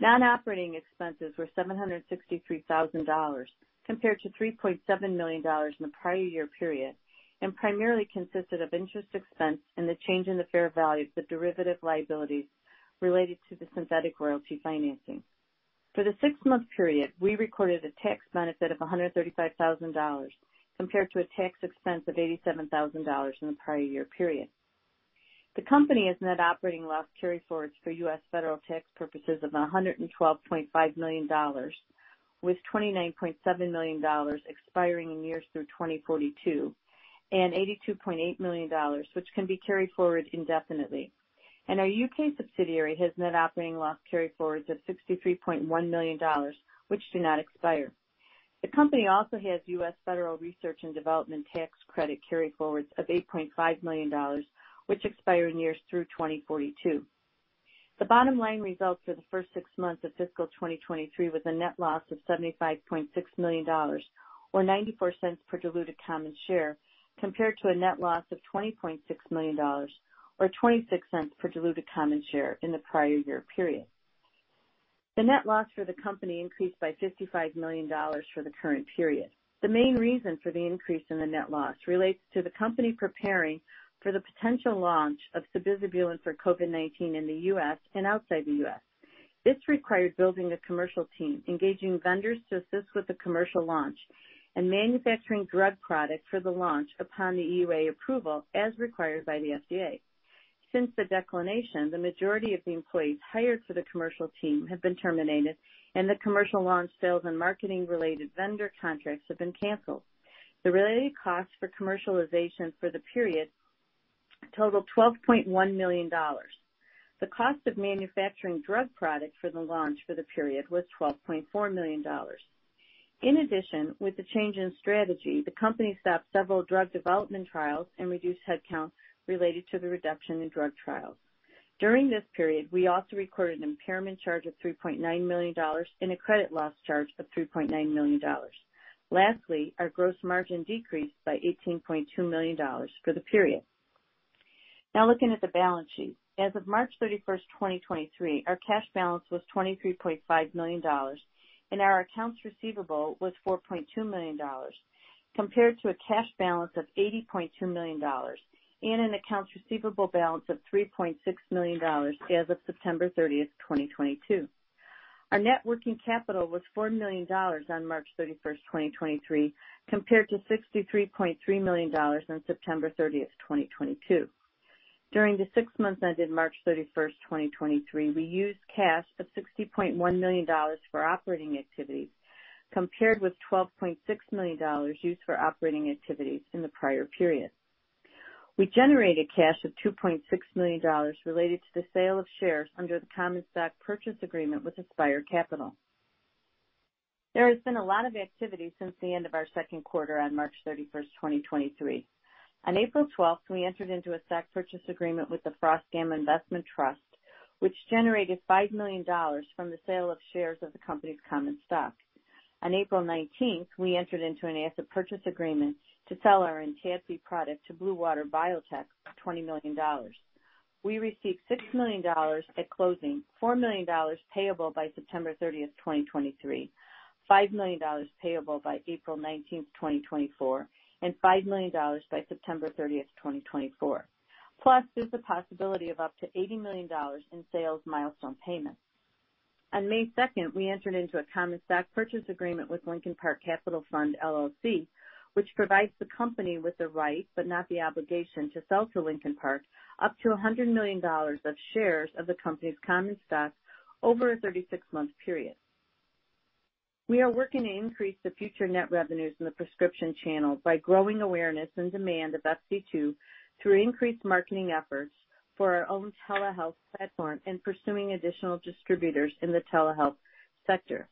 Non-operating expenses were $763,000 compared to $3.7 million in the prior year period and primarily consisted of interest expense and the change in the fair value of the derivative liabilities related to the synthetic royalty financing. For the six-month period, we recorded a tax benefit of $135,000 compared to a tax expense of $87,000 in the prior year period. The company has net operating loss carryforwards for U.S. federal tax purposes of $112.5 million, with $29.7 million expiring in years through 2042, and $82.8 million, which can be carried forward indefinitely. Our U.K. subsidiary has net operating loss carryforwards of $63.1 million, which do not expire. The company also has U.S. federal research and development tax credit carryforwards of $8.5 million, which expire in years through 2042. The bottom line results for the first six months of fiscal 2023 was a net loss of $75.6 million or $0.94 per diluted common share, compared to a net loss of $20.6 million or $0.26 per diluted common share in the prior year period. The net loss for the company increased by $55 million for the current period. The main reason for the increase in the net loss relates to the company preparing for the potential launch of Cibisibulin for COVID-19 in the U.S. and outside the U.S. This required building a commercial team, engaging vendors to assist with the commercial launch and manufacturing drug product for the launch upon the EUA approval as required by the FDA. Since the declination, the majority of the employees hired for the commercial team have been terminated and the commercial launch sales and marketing related vendor contracts have been canceled. The related costs for commercialization for the period totaled $12.1 million. The cost of manufacturing drug product for the launch for the period was $12.4 million. With the change in strategy, the company stopped several drug development trials and reduced headcount related to the reduction in drug trials. During this period, we also recorded an impairment charge of $3.9 million and a credit loss charge of $3.9 million. Lastly, our gross margin decreased by $18.2 million for the period. Looking at the balance sheet. As of March 31, 2023, our cash balance was $23.5 million and our accounts receivable was $4.2 million compared to a cash balance of $80.2 million and an accounts receivable balance of $3.6 million as of September 30, 2022. Our net working capital was $4 million on March 31, 2023, compared to $63.3 million on September 30, 2022. During the six months ended March 31, 2023, we used cash of $60.1 million for operating activities, compared with $12.6 million used for operating activities in the prior period. We generated cash of $2.6 million related to the sale of shares under the common stock purchase agreement with Aspire Capital. There has been a lot of activity since the end of our second quarter on March 31, 2023. On April 12, we entered into a stock purchase agreement with the Frost Gamma Investments Trust, which generated $5 million from the sale of shares of the company's common stock. On April 19, we entered into an asset purchase agreement to sell our ENTADFI product to Blue Water Biotech for $20 million. We received $6 million at closing, $4 million payable by September 30, 2023, $5 million payable by April 19, 2024, and $5 million by September 30, 2024. There's the possibility of up to $80 million in sales milestone payments. On May second, we entered into a common stock purchase agreement with Lincoln Park Capital Fund, LLC, which provides the company with the right, but not the obligation, to sell to Lincoln Park up to $100 million of shares of the company's common stock over a 36-month period. We are working to increase the future net revenues in the prescription channel by growing awareness and demand of FC2 through increased marketing efforts for our own telehealth platform and pursuing additional distributors in the telehealth sector.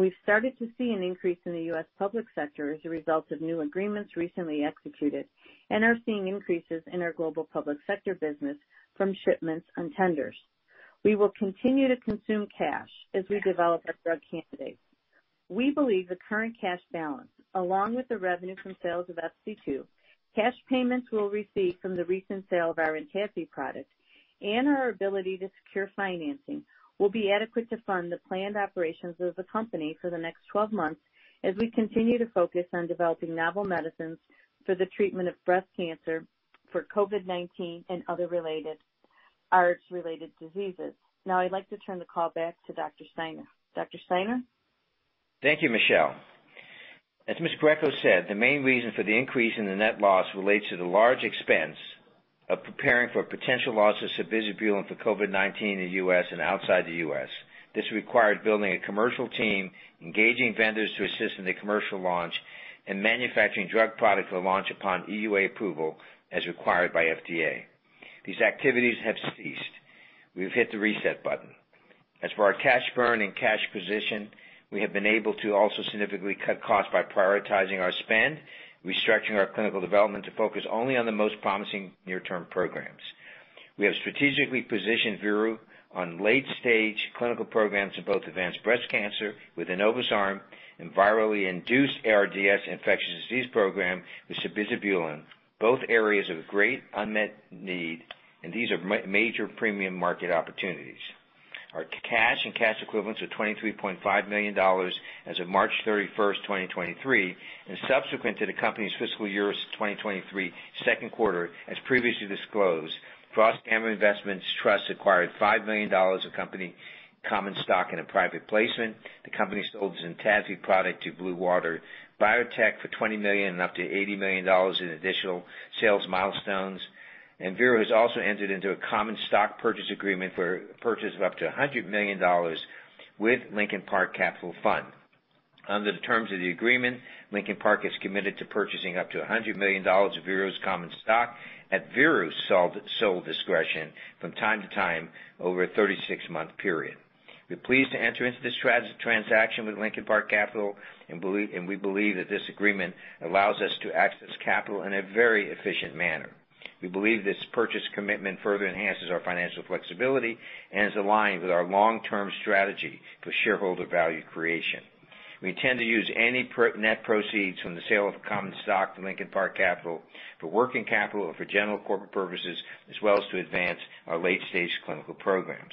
We've started to see an increase in the U.S. public sector as a result of new agreements recently executed and are seeing increases in our global public sector business from shipments and tenders. We will continue to consume cash as we develop our drug candidates. We believe the current cash balance, along with the revenue from sales of FC2, cash payments we'll receive from the recent sale of our Intasy product, and our ability to secure financing will be adequate to fund the planned operations of the company for the next 12 months as we continue to focus on developing novel medicines for the treatment of breast cancer, for COVID-19 and other ARDS related diseases. I'd like to turn the call back to Dr. Steiner. Dr. Steiner? Thank you, Michele. As Ms. Greco said, the main reason for the increase in the net loss relates to the large expense of preparing for potential losses Cibisibulin for COVID-19 in the U.S. and outside the U.S. This required building a commercial team, engaging vendors to assist in the commercial launch and manufacturing drug product for launch upon EUA approval as required by FDA. These activities have ceased. We've hit the reset button. As for our cash burn and cash position, we have been able to also significantly cut costs by prioritizing our spend, restructuring our clinical development to focus only on the most promising near-term programs. We have strategically positioned Veru on late-stage clinical programs in both advanced breast cancer with enobosarm and virally induced ARDS infectious disease program with Cibisibulin, both areas of great unmet need. These are major premium market opportunities. Our cash and cash equivalents are $23.5 million as of March 31, 2023, subsequent to the company's fiscal year 2023 second quarter, as previously disclosed, Frost Gamma Investments Trust acquired $5 million of company common stock in a private placement. The company sold its ENTADFI product to Blue Water Biotech for $20 million and up to $80 million in additional sales milestones. Veru has also entered into a common stock purchase agreement for purchase of up to $100 million with Lincoln Park Capital Fund. Under the terms of the agreement, Lincoln Park has committed to purchasing up to $100 million of Veru's common stock at Veru's sole discretion from time to time over a 36-month period. We're pleased to enter into this transaction with Lincoln Park Capital and we believe that this agreement allows us to access capital in a very efficient manner. We believe this purchase commitment further enhances our financial flexibility and is aligned with our long-term strategy for shareholder value creation. We intend to use any net proceeds from the sale of common stock to Lincoln Park Capital for working capital or for general corporate purposes, as well as to advance our late-stage clinical programs.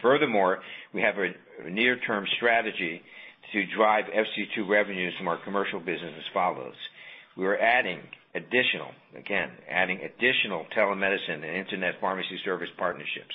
Furthermore, we have a near-term strategy to drive FC2 revenues from our commercial business as follows: We are adding additional telemedicine and internet pharmacy service partnerships.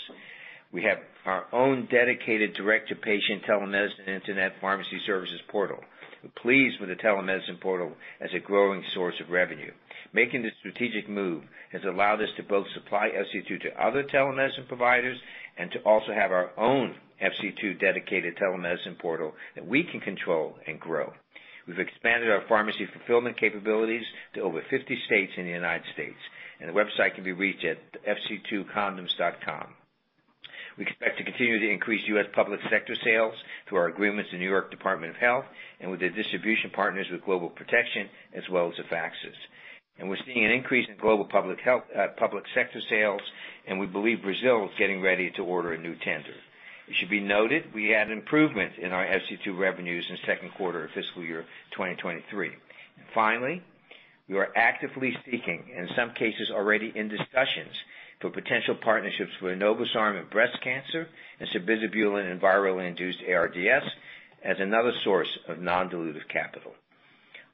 We have our own dedicated direct-to-patient telemedicine internet pharmacy services portal. We're pleased with the telemedicine portal as a growing source of revenue. Making this strategic move has allowed us to both supply FC2 to other telemedicine providers and to also have our own FC2 dedicated telemedicine portal that we can control and grow. We've expanded our pharmacy fulfillment capabilities to over 50 states in the U.S., and the website can be reached at fc2condoms.com. We expect to continue to increase U.S. public sector sales through our agreements in New York State Department of Health and with the distribution partners with Global Protection as well as Afaxys. We're seeing an increase in global public health, public sector sales, and we believe Brazil is getting ready to order a new tender. It should be noted we had an improvement in our FC2 revenues in second quarter of fiscal year 2023. Finally, we are actively seeking, in some cases already in discussions, for potential partnerships with enobosarm in breast cancer and sabizabulin in virally induced ARDS as another source of non-dilutive capital.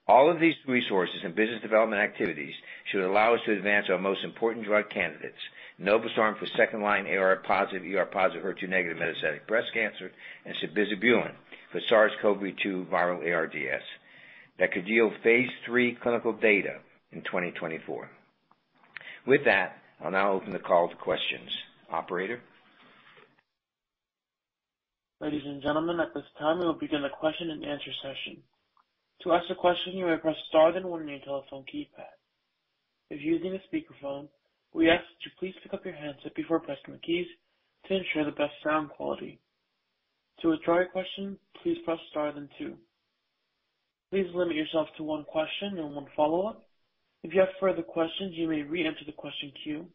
All of these resources and business development activities should allow us to advance our most important drug candidates, enobosarm for second line AR-positive, ER-positive, HER2-negative metastatic breast cancer and sabizabulin for SARS-CoV-2 viral ARDS that could yield Phase III clinical data in 2024. With that, I'll now open the call to questions. Operator? Ladies and gentlemen, at this time, we will begin the question-and-answer session. To ask a question, you may press star then one on your telephone keypad. If you're using a speakerphone, we ask that you please pick up your handset before pressing the keys to ensure the best sound quality. To withdraw your question, please press star then two. Please limit yourself to one question and one follow-up. If you have further questions, you may re-enter the question queue.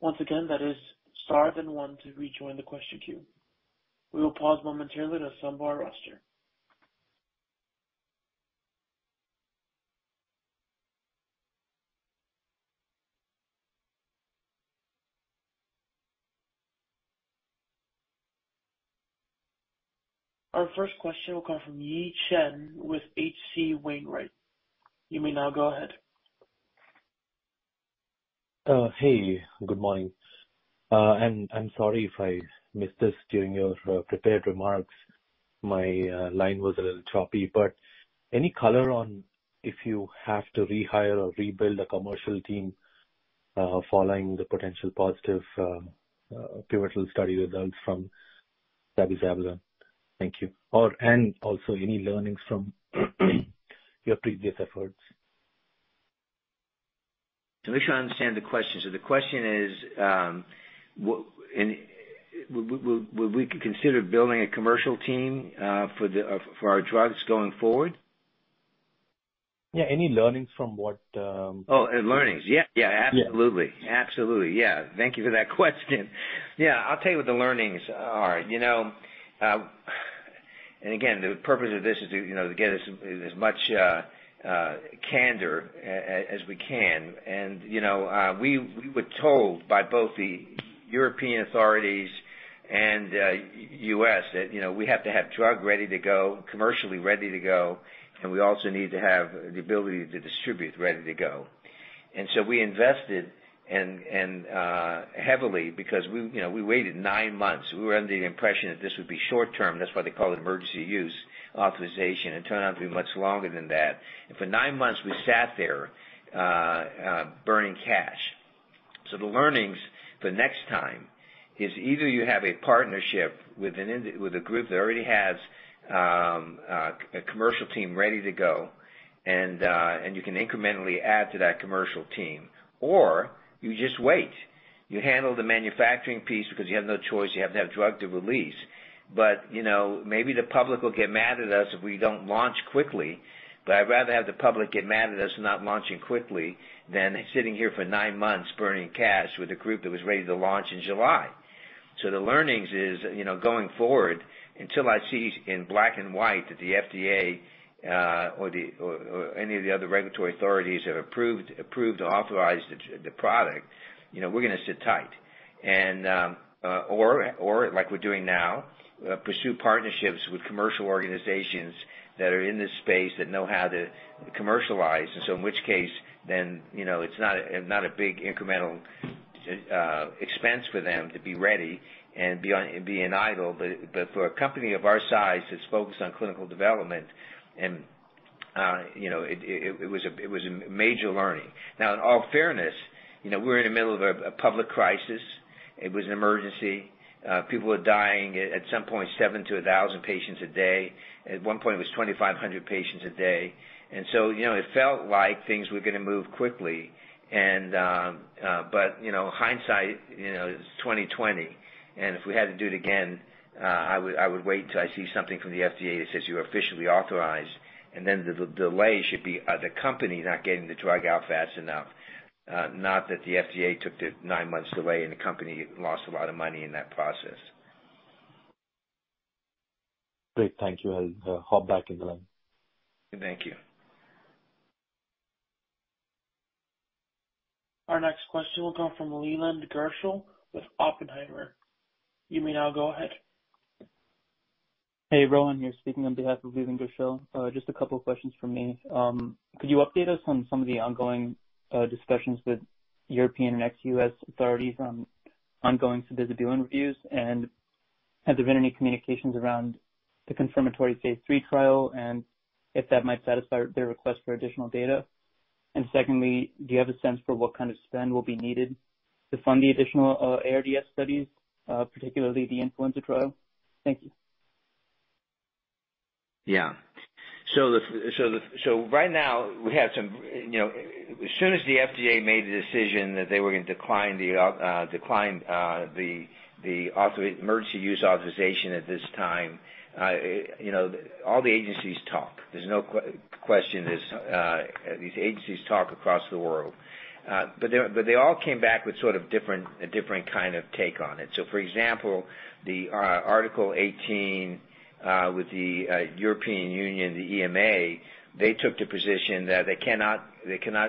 Once again, that is star then one to rejoin the question queue. We will pause momentarily to assemble our roster. Our first question will come from Yi Chen with H.C. Wainwright. You may now go ahead. Hey, good morning. I'm sorry if I missed this during your prepared remarks. My line was a little choppy. Any color on if you have to rehire or rebuild a commercial team, following the potential positive pivotal study results from. Thank you. Also any learnings from your previous efforts. To make sure I understand the question. The question is, would we consider building a commercial team for our drugs going forward? Yeah. Any learnings from what... Oh, learnings. Yeah. Yeah. Yeah. Absolutely. Absolutely. Yeah. Thank you for that question. Yeah. I'll tell you what the learnings are. You know, again, the purpose of this is to, you know, to get as much candor as we can. You know, we were told by both the European authorities and U.S. that, you know, we have to have drug ready to go, commercially ready to go, and we also need to have the ability to distribute ready to go. So we invested and heavily because we, you know, we waited nine months. We were under the impression that this would be short term. That's why they call it Emergency Use Authorization. It turned out to be much longer than that. For nine months, we sat there burning cash. The learnings the next time is either you have a partnership with a group that already has a commercial team ready to go and you can incrementally add to that commercial team, or you just wait. You handle the manufacturing piece because you have no choice. You have to have drug to release. You know, maybe the public will get mad at us if we don't launch quickly, but I'd rather have the public get mad at us for not launching quickly than sitting here for nine months burning cash with a group that was ready to launch in July. The learnings is, you know, going forward, until I see in black and white that the FDA or any of the other regulatory authorities have approved or authorized the product, you know, we're gonna sit tight. Or like we're doing now, pursue partnerships with commercial organizations that are in this space that know how to commercialize. In which case then, you know, it's not a, not a big incremental expense for them to be ready and be in idle. For a company of our size that's focused on clinical development, you know, it was a major learning. In all fairness, you know, we're in the middle of a public crisis. It was an emergency. People were dying at some point 7 to 1,000 patients a day. At one point it was 2,500 patients a day. You know, it felt like things were gonna move quickly and, but, you know, hindsight, you know, is 20/20. If we had to do it again, I would wait until I see something from the FDA that says you're officially authorized, and then the delay should be the company not getting the drug out fast enough, not that the FDA took the 9 months away, and the company lost a lot of money in that process. Great. Thank you. I'll hop back in the line. Thank you. Our next question will come from Leland Gershell with Oppenheimer. You may now go ahead. Hey, Rohan here, speaking on behalf of Leland Gershell. Just a couple of questions from me. Could you update us on some of the ongoing discussions with European and ex-U.S. authorities on ongoing sabizabulin reviews? Have there been any communications around the confirmatory Phase III trial and if that might satisfy their request for additional data? Secondly, do you have a sense for what kind of spend will be needed to fund the additional ARDS studies, particularly the influenza trial? Thank you. Right now we have some. You know, as soon as the FDA made the decision that they were gonna decline the Emergency Use Authorization at this time, you know, all the agencies talk. There's no question this, these agencies talk across the world. But they all came back with sort of different, a different kind of take on it. For example, the Article 18 with the European Union, the EMA, they took the position that they cannot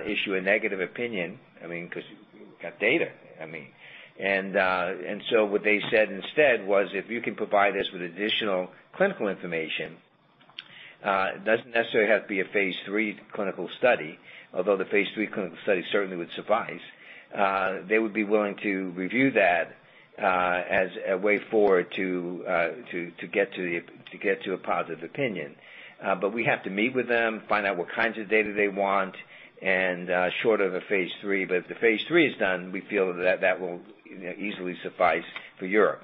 issue a negative opinion, I mean, 'cause we've got data, I mean. What they said instead was, "If you can provide us with additional clinical information, it doesn't necessarily have to be a Phase III clinical study, although the Phase III clinical study certainly would suffice, they would be willing to review that as a way forward to get to a positive opinion. We have to meet with them, find out what kinds of data they want, short of a Phase III. If the Phase III is done, we feel that will, you know, easily suffice for Europe.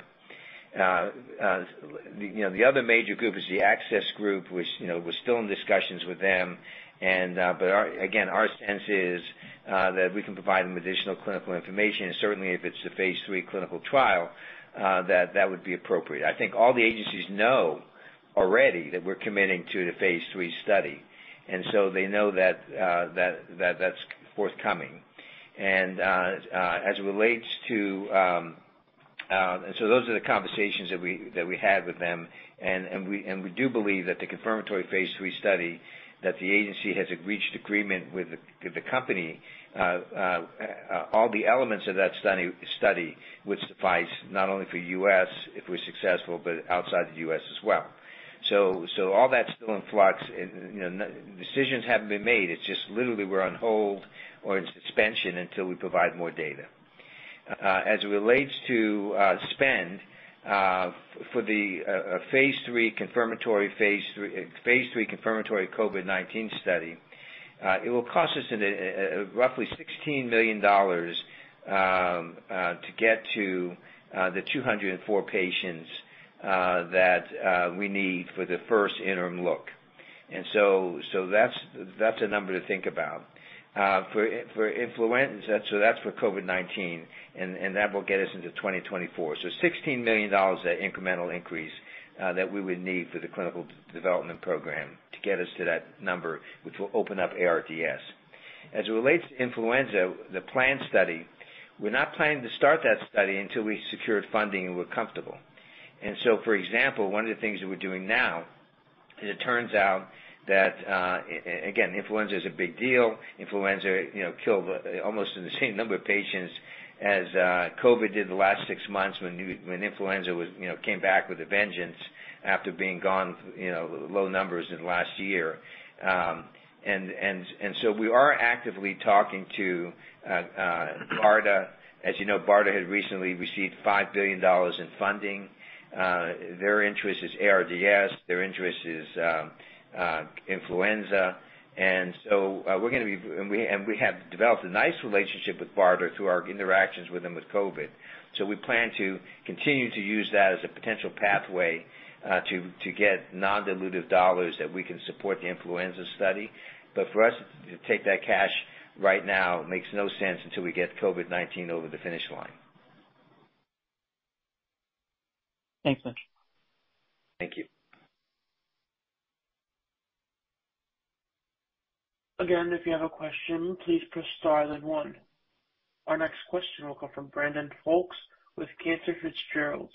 You know, the other major group is The Access Group, which, you know, we're still in discussions with them and, but our... Again, our sense is that we can provide them additional clinical information and certainly if it's the Phase III clinical trial, that that would be appropriate. I think all the agencies know already that we're committing to the Phase III study, and so they know that that's forthcoming. As it relates to, so those are the conversations that we had with them. We do believe that the confirmatory Phase III study that the agency has reached agreement with the company, all the elements of that study would suffice not only for U.S. if we're successful, but outside the U.S. as well. All that's still in flux and, you know, decisions haven't been made. It's just literally we're on hold or in suspension until we provide more data. As it relates to spend for the Phase III confirmatory COVID-19 study, it will cost us roughly $16 million to get to the 204 patients that we need for the first interim look. That's a number to think about. For influenza, that's for COVID-19 and that will get us into 2024. $16 million is the incremental increase that we would need for the clinical development program to get us to that number, which will open up ARDS. As it relates to influenza, the planned study, we're not planning to start that study until we've secured funding and we're comfortable. For example, one of the things that we're doing now, and it turns out that again, influenza is a big deal. Influenza, you know, killed almost the same number of patients as COVID did in the last 6 months when influenza was, you know, came back with a vengeance after being gone, you know, low numbers in the last year. We are actively talking to BARDA. As you know, BARDA had recently received $5 billion in funding. Their interest is ARDS, their interest is influenza. We have developed a nice relationship with BARDA through our interactions with them with COVID. We plan to continue to use that as a potential pathway to get non-dilutive dollars that we can support the influenza study. For us to take that cash right now makes no sense until we get COVID-19 over the finish line. Thanks much. Thank you. Again, if you have a question, please press star then one. Our next question will come from Brandon Folkes with Cantor Fitzgerald.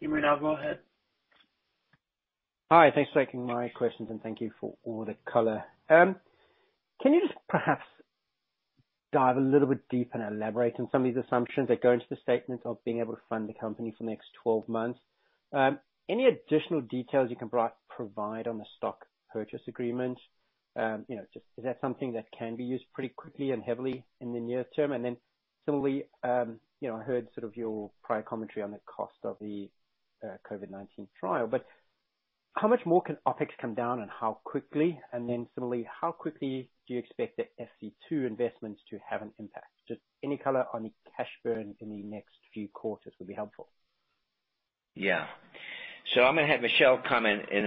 You may now go ahead. Hi. Thanks for taking my questions, and thank you for all the color. Can you just perhaps dive a little bit deeper and elaborate on some of these assumptions that go into the statement of being able to fund the company for the next 12 months? Any additional details you can provide on the stock purchase agreement? You know, just is that something that can be used pretty quickly and heavily in the near term? Similarly, you know, I heard sort of your prior commentary on the cost of the COVID-19 trial. How much more can OpEx come down and how quickly? Similarly, how quickly do you expect the FC2 investments to have an impact? Just any color on the cash burn in the next few quarters would be helpful. Yeah. I'm gonna have Michele comment in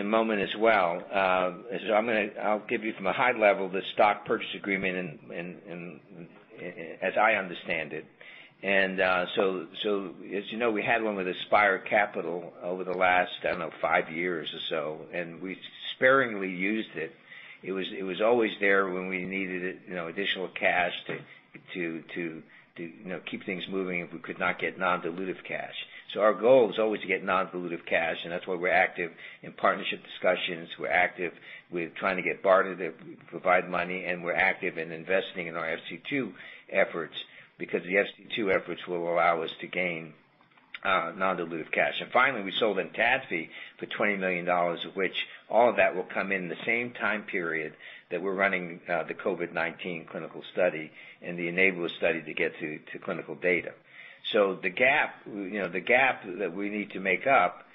a moment as well. I'll give you from a high level the stock purchase agreement as I understand it. As you know, we had one with Aspire Capital over the last, I don't know, 5 years or so, and we sparingly used it. It was always there when we needed it, you know, additional cash to, you know, keep things moving if we could not get non-dilutive cash. Our goal was always to get non-dilutive cash, and that's why we're active in partnership discussions. We're active with trying to get BARDA to provide money, and we're active in investing in our FC2 efforts because the FC2 efforts will allow us to gain non-dilutive cash. Finally, we sold ENTADFI for $20 million, which all of that will come in the same time period that we're running the COVID-19 clinical study and the ENABLAR-2 study to clinical data. The gap, you know, the gap that we need to make up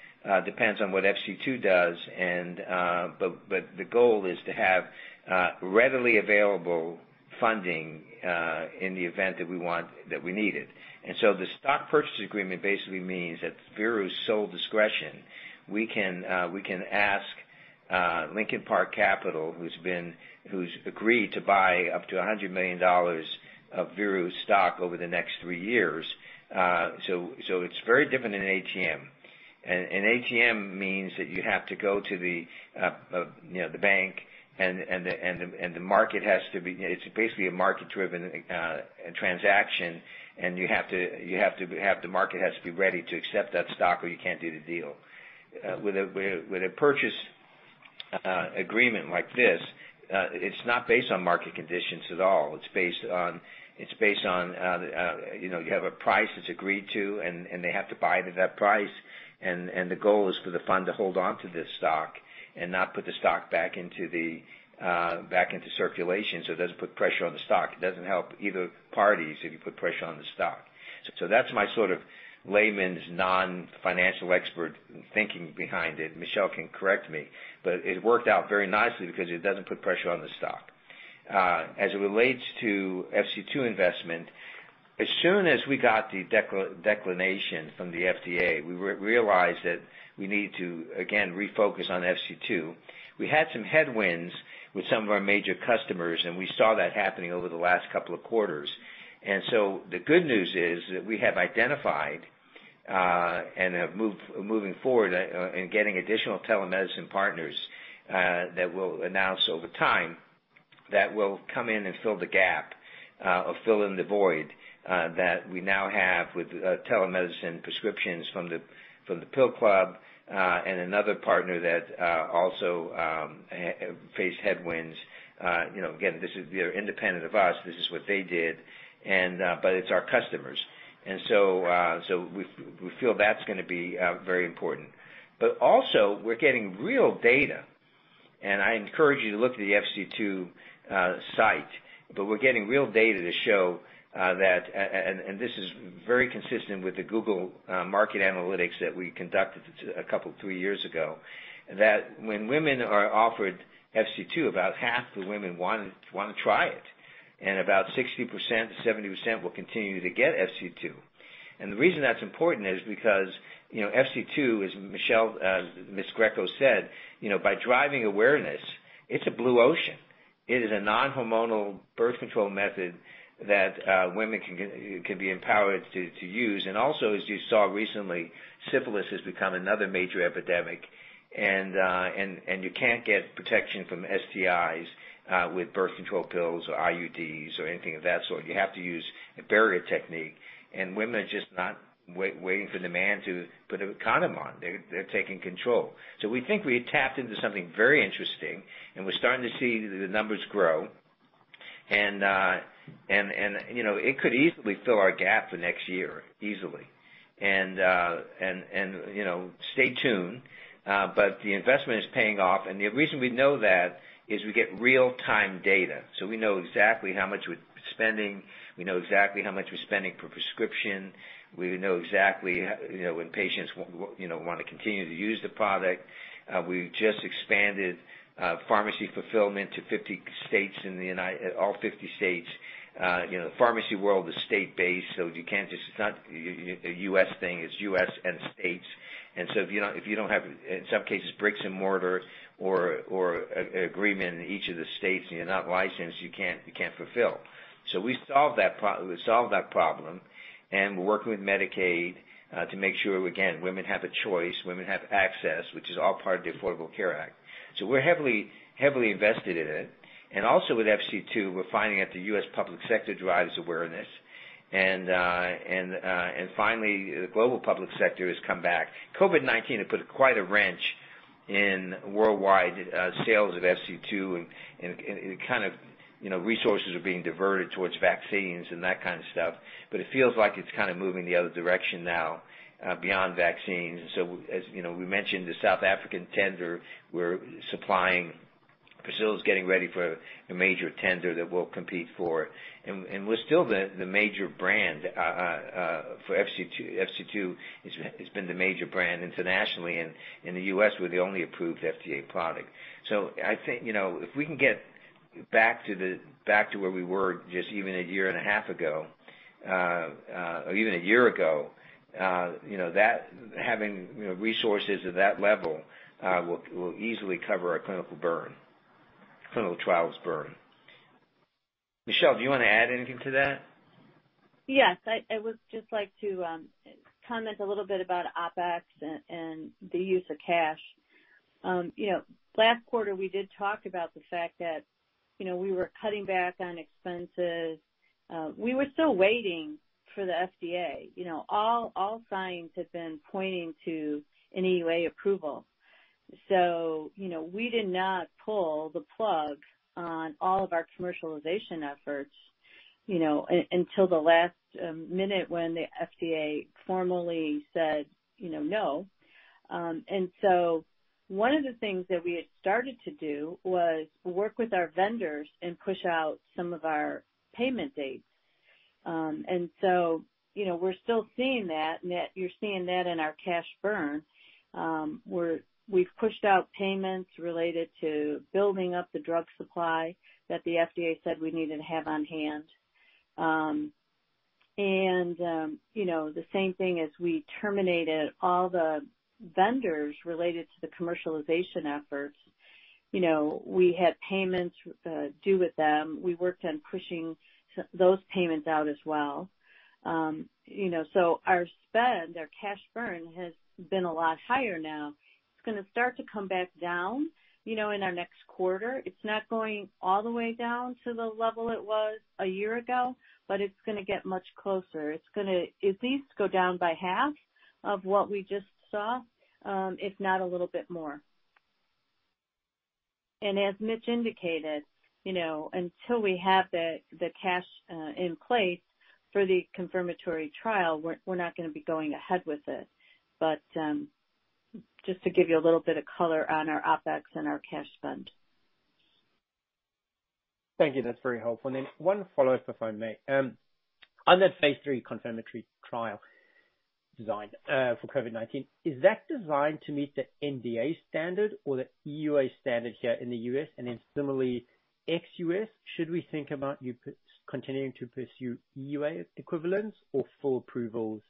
depends on what FC2 does, but the goal is to have readily available funding in the event that we need it. The stock purchase agreement basically means at Veru's sole discretion, we can ask Lincoln Park Capital, who's agreed to buy up to $100 million of Veru stock over the next 3 years. So it's very different than an ATM. An ATM means that you have to go to the, you know, the bank and the market has to be. It's basically a market-driven transaction, and you have to have the market has to be ready to accept that stock or you can't do the deal. With a purchase agreement like this, it's not based on market conditions at all. It's based on, you know, you have a price that's agreed to and they have to buy it at that price. The goal is for the fund to hold on to this stock and not put the stock back into circulation, so it doesn't put pressure on the stock. It doesn't help either parties if you put pressure on the stock. That's my sort of layman's non-financial expert thinking behind it. Michele can correct me, but it worked out very nicely because it doesn't put pressure on the stock. As it relates to FC2 investment, as soon as we got the declination from the FDA, we realized that we need to, again, refocus on FC2. We had some headwinds with some of our major customers, and we saw that happening over the last couple of quarters. The good news is that we have identified and have moved, moving forward in getting additional telemedicine partners that we'll announce over time that will come in and fill the gap or fill in the void that we now have with telemedicine prescriptions from The Pill Club and another partner that also faced headwinds. You know, again, this is, you know, independent of us. This is what they did and, but it's our customers. So we feel that's gonna be very important. Also we're getting real data, and I encourage you to look at the FC2 site. We're getting real data to show that and this is very consistent with the Google market analytics that we conducted 2-3 years ago, that when women are offered FC2, about half the women want to try it, and about 60%-70% will continue to get FC2. The reason that's important is because, you know, FC2, as Michele Greco said, you know, by driving awareness, it's a blue ocean. It is a non-hormonal birth control method that women can be empowered to use. Also, as you saw recently, syphilis has become another major epidemic and you can't get protection from STIs with birth control pills or IUDs or anything of that sort. You have to use a barrier technique, and women are just not waiting for the man to put a condom on. They're taking control. We think we tapped into something very interesting, and we're starting to see the numbers grow. You know, it could easily fill our gap for next year, easily. You know, stay tuned. The investment is paying off. The reason we know that is we get real-time data, so we know exactly how much we're spending. We know exactly how much we're spending per prescription. We know exactly you know, when patients you know, wanna continue to use the product. We've just expanded pharmacy fulfillment to 50 states in all 50 states. You know, pharmacy world is state-based, so you can't just... It's not a U.S. thing. It's U.S. and states. If you don't have, in some cases, bricks and mortar or a agreement in each of the states and you're not licensed, you can't fulfill. We solved that problem and we're working with Medicaid to make sure, again, women have a choice, women have access, which is all part of the Affordable Care Act. We're heavily invested in it. Also with FC2, we're finding that the U.S. public sector drives awareness. Finally, the global public sector has come back. COVID-19 had put quite a wrench in worldwide sales of FC2 and it kind of, you know, resources are being diverted towards vaccines and that kind of stuff. It feels like it's kind of moving the other direction now, beyond vaccines. As, you know, we mentioned the South African tender, we're supplying-Brazil is getting ready for a major tender that we'll compete for, and we're still the major brand for FC2. FC2 has been the major brand internationally, and in the U.S., we're the only approved FDA product. I think, you know, if we can get back to where we were just even a year and a half ago, or even a year ago, you know, that having, you know, resources at that level, will easily cover our clinical burn, clinical trials burn. Michele, do you wanna add anything to that? Yes. I would just like to comment a little bit about OpEx and the use of cash. You know, last quarter, we did talk about the fact that, you know, we were cutting back on expenses. We were still waiting for the FDA. You know, all signs had been pointing to an EUA approval. You know, we did not pull the plug on all of our commercialization efforts, you know, until the last minute when the FDA formally said, you know, "No." One of the things that we had started to do was work with our vendors and push out some of our payment dates. You know, we're still seeing that, and that you're seeing that in our cash burn. We've pushed out payments related to building up the drug supply that the FDA said we needed to have on hand. You know, the same thing as we terminated all the vendors related to the commercialization efforts. You know, we had payments due with them. We worked on pushing those payments out as well. You know, our spend, our cash burn has been a lot higher now. It's gonna start to come back down, you know, in our next quarter. It's not going all the way down to the level it was a year ago, but it's gonna get much closer. It's gonna at least go down by half of what we just saw, if not a little bit more. As Mitch indicated, you know, until we have the cash in place for the confirmatory trial, we're not gonna be going ahead with it. Just to give you a little bit of color on our OpEx and our cash spend. Thank you. That's very helpful. 1 follow-up, if I may. On that Phase III confirmatory trial design for COVID-19, is that designed to meet the NDA standard or the EUA standard here in the US? Similarly, ex-US, should we think about continuing to pursue EUA equivalence or full approvals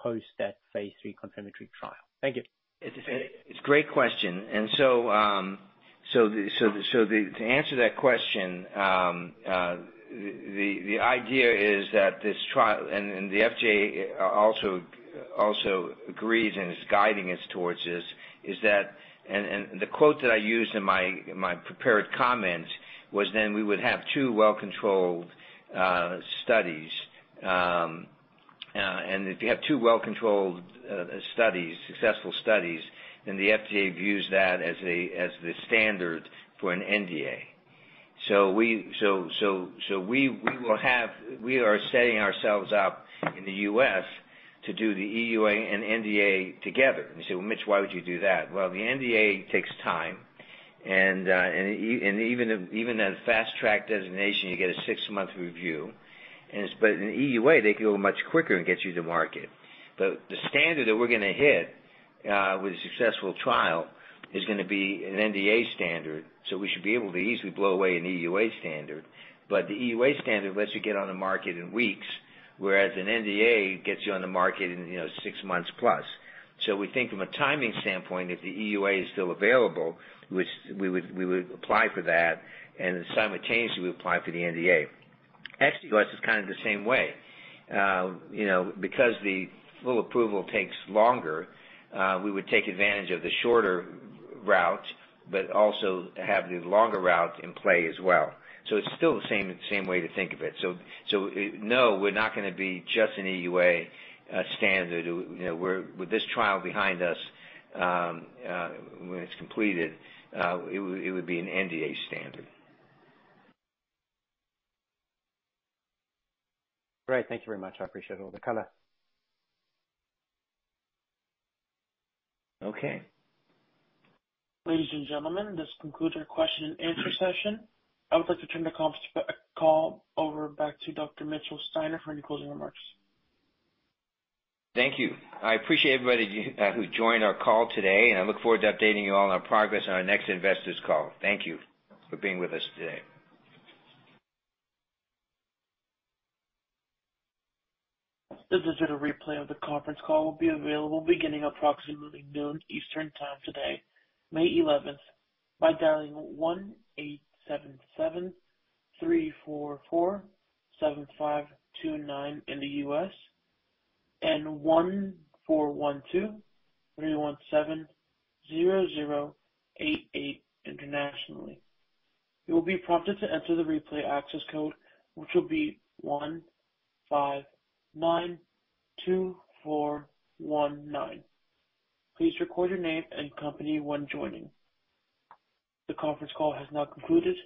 post that Phase III confirmatory trial? Thank you. It's a great question. To answer that question, the idea is that this trial. The FDA also agrees and is guiding us towards this, is that. The quote that I used in my prepared comments was then we would have two well-controlled studies. If you have two well-controlled studies, successful studies, then the FDA views that as the standard for an NDA. We are setting ourselves up in the U.S. to do the EUA and NDA together. You say, "Well, Mitch, why would you do that?" Well, the NDA takes time and even a Fast Track designation, you get a six-month review. In an EUA, they can go much quicker and get you to market. The standard that we're going to hit with a successful trial is going to be an NDA standard, we should be able to easily blow away an EUA standard. The EUA standard lets you get on the market in weeks, whereas an NDA gets you on the market in, you know, six months plus. We think from a timing standpoint, if the EUA is still available, which we would apply for that, and simultaneously we apply for the NDA. Ex-US is kind of the same way. You know, because the full approval takes longer, we would take advantage of the shorter route but also have the longer route in play as well. It's still the same way to think of it. No, we're not gonna be just an EUA standard. You know, with this trial behind us, when it's completed, it would be an NDA standard. Great. Thank you very much. I appreciate all the color. Okay. Ladies and gentlemen, this concludes our question and answer session. I would like to turn the conference call over back to Dr. Mitchell Steiner for any closing remarks. Thank you. I appreciate everybody who joined our call today. I look forward to updating you all on our progress on our next investors call. Thank you for being with us today. The digital replay of the conference call will be available beginning approximately 12:00 P.M. Eastern Time today, May 11, by dialing 1-877-344-7529 in the U.S., and 1-412-317-0088 internationally. You will be prompted to enter the replay access code, which will be 1592419. Please record your name and company when joining. The conference call has now concluded.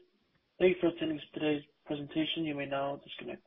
Thank you for attending today's presentation. You may now disconnect.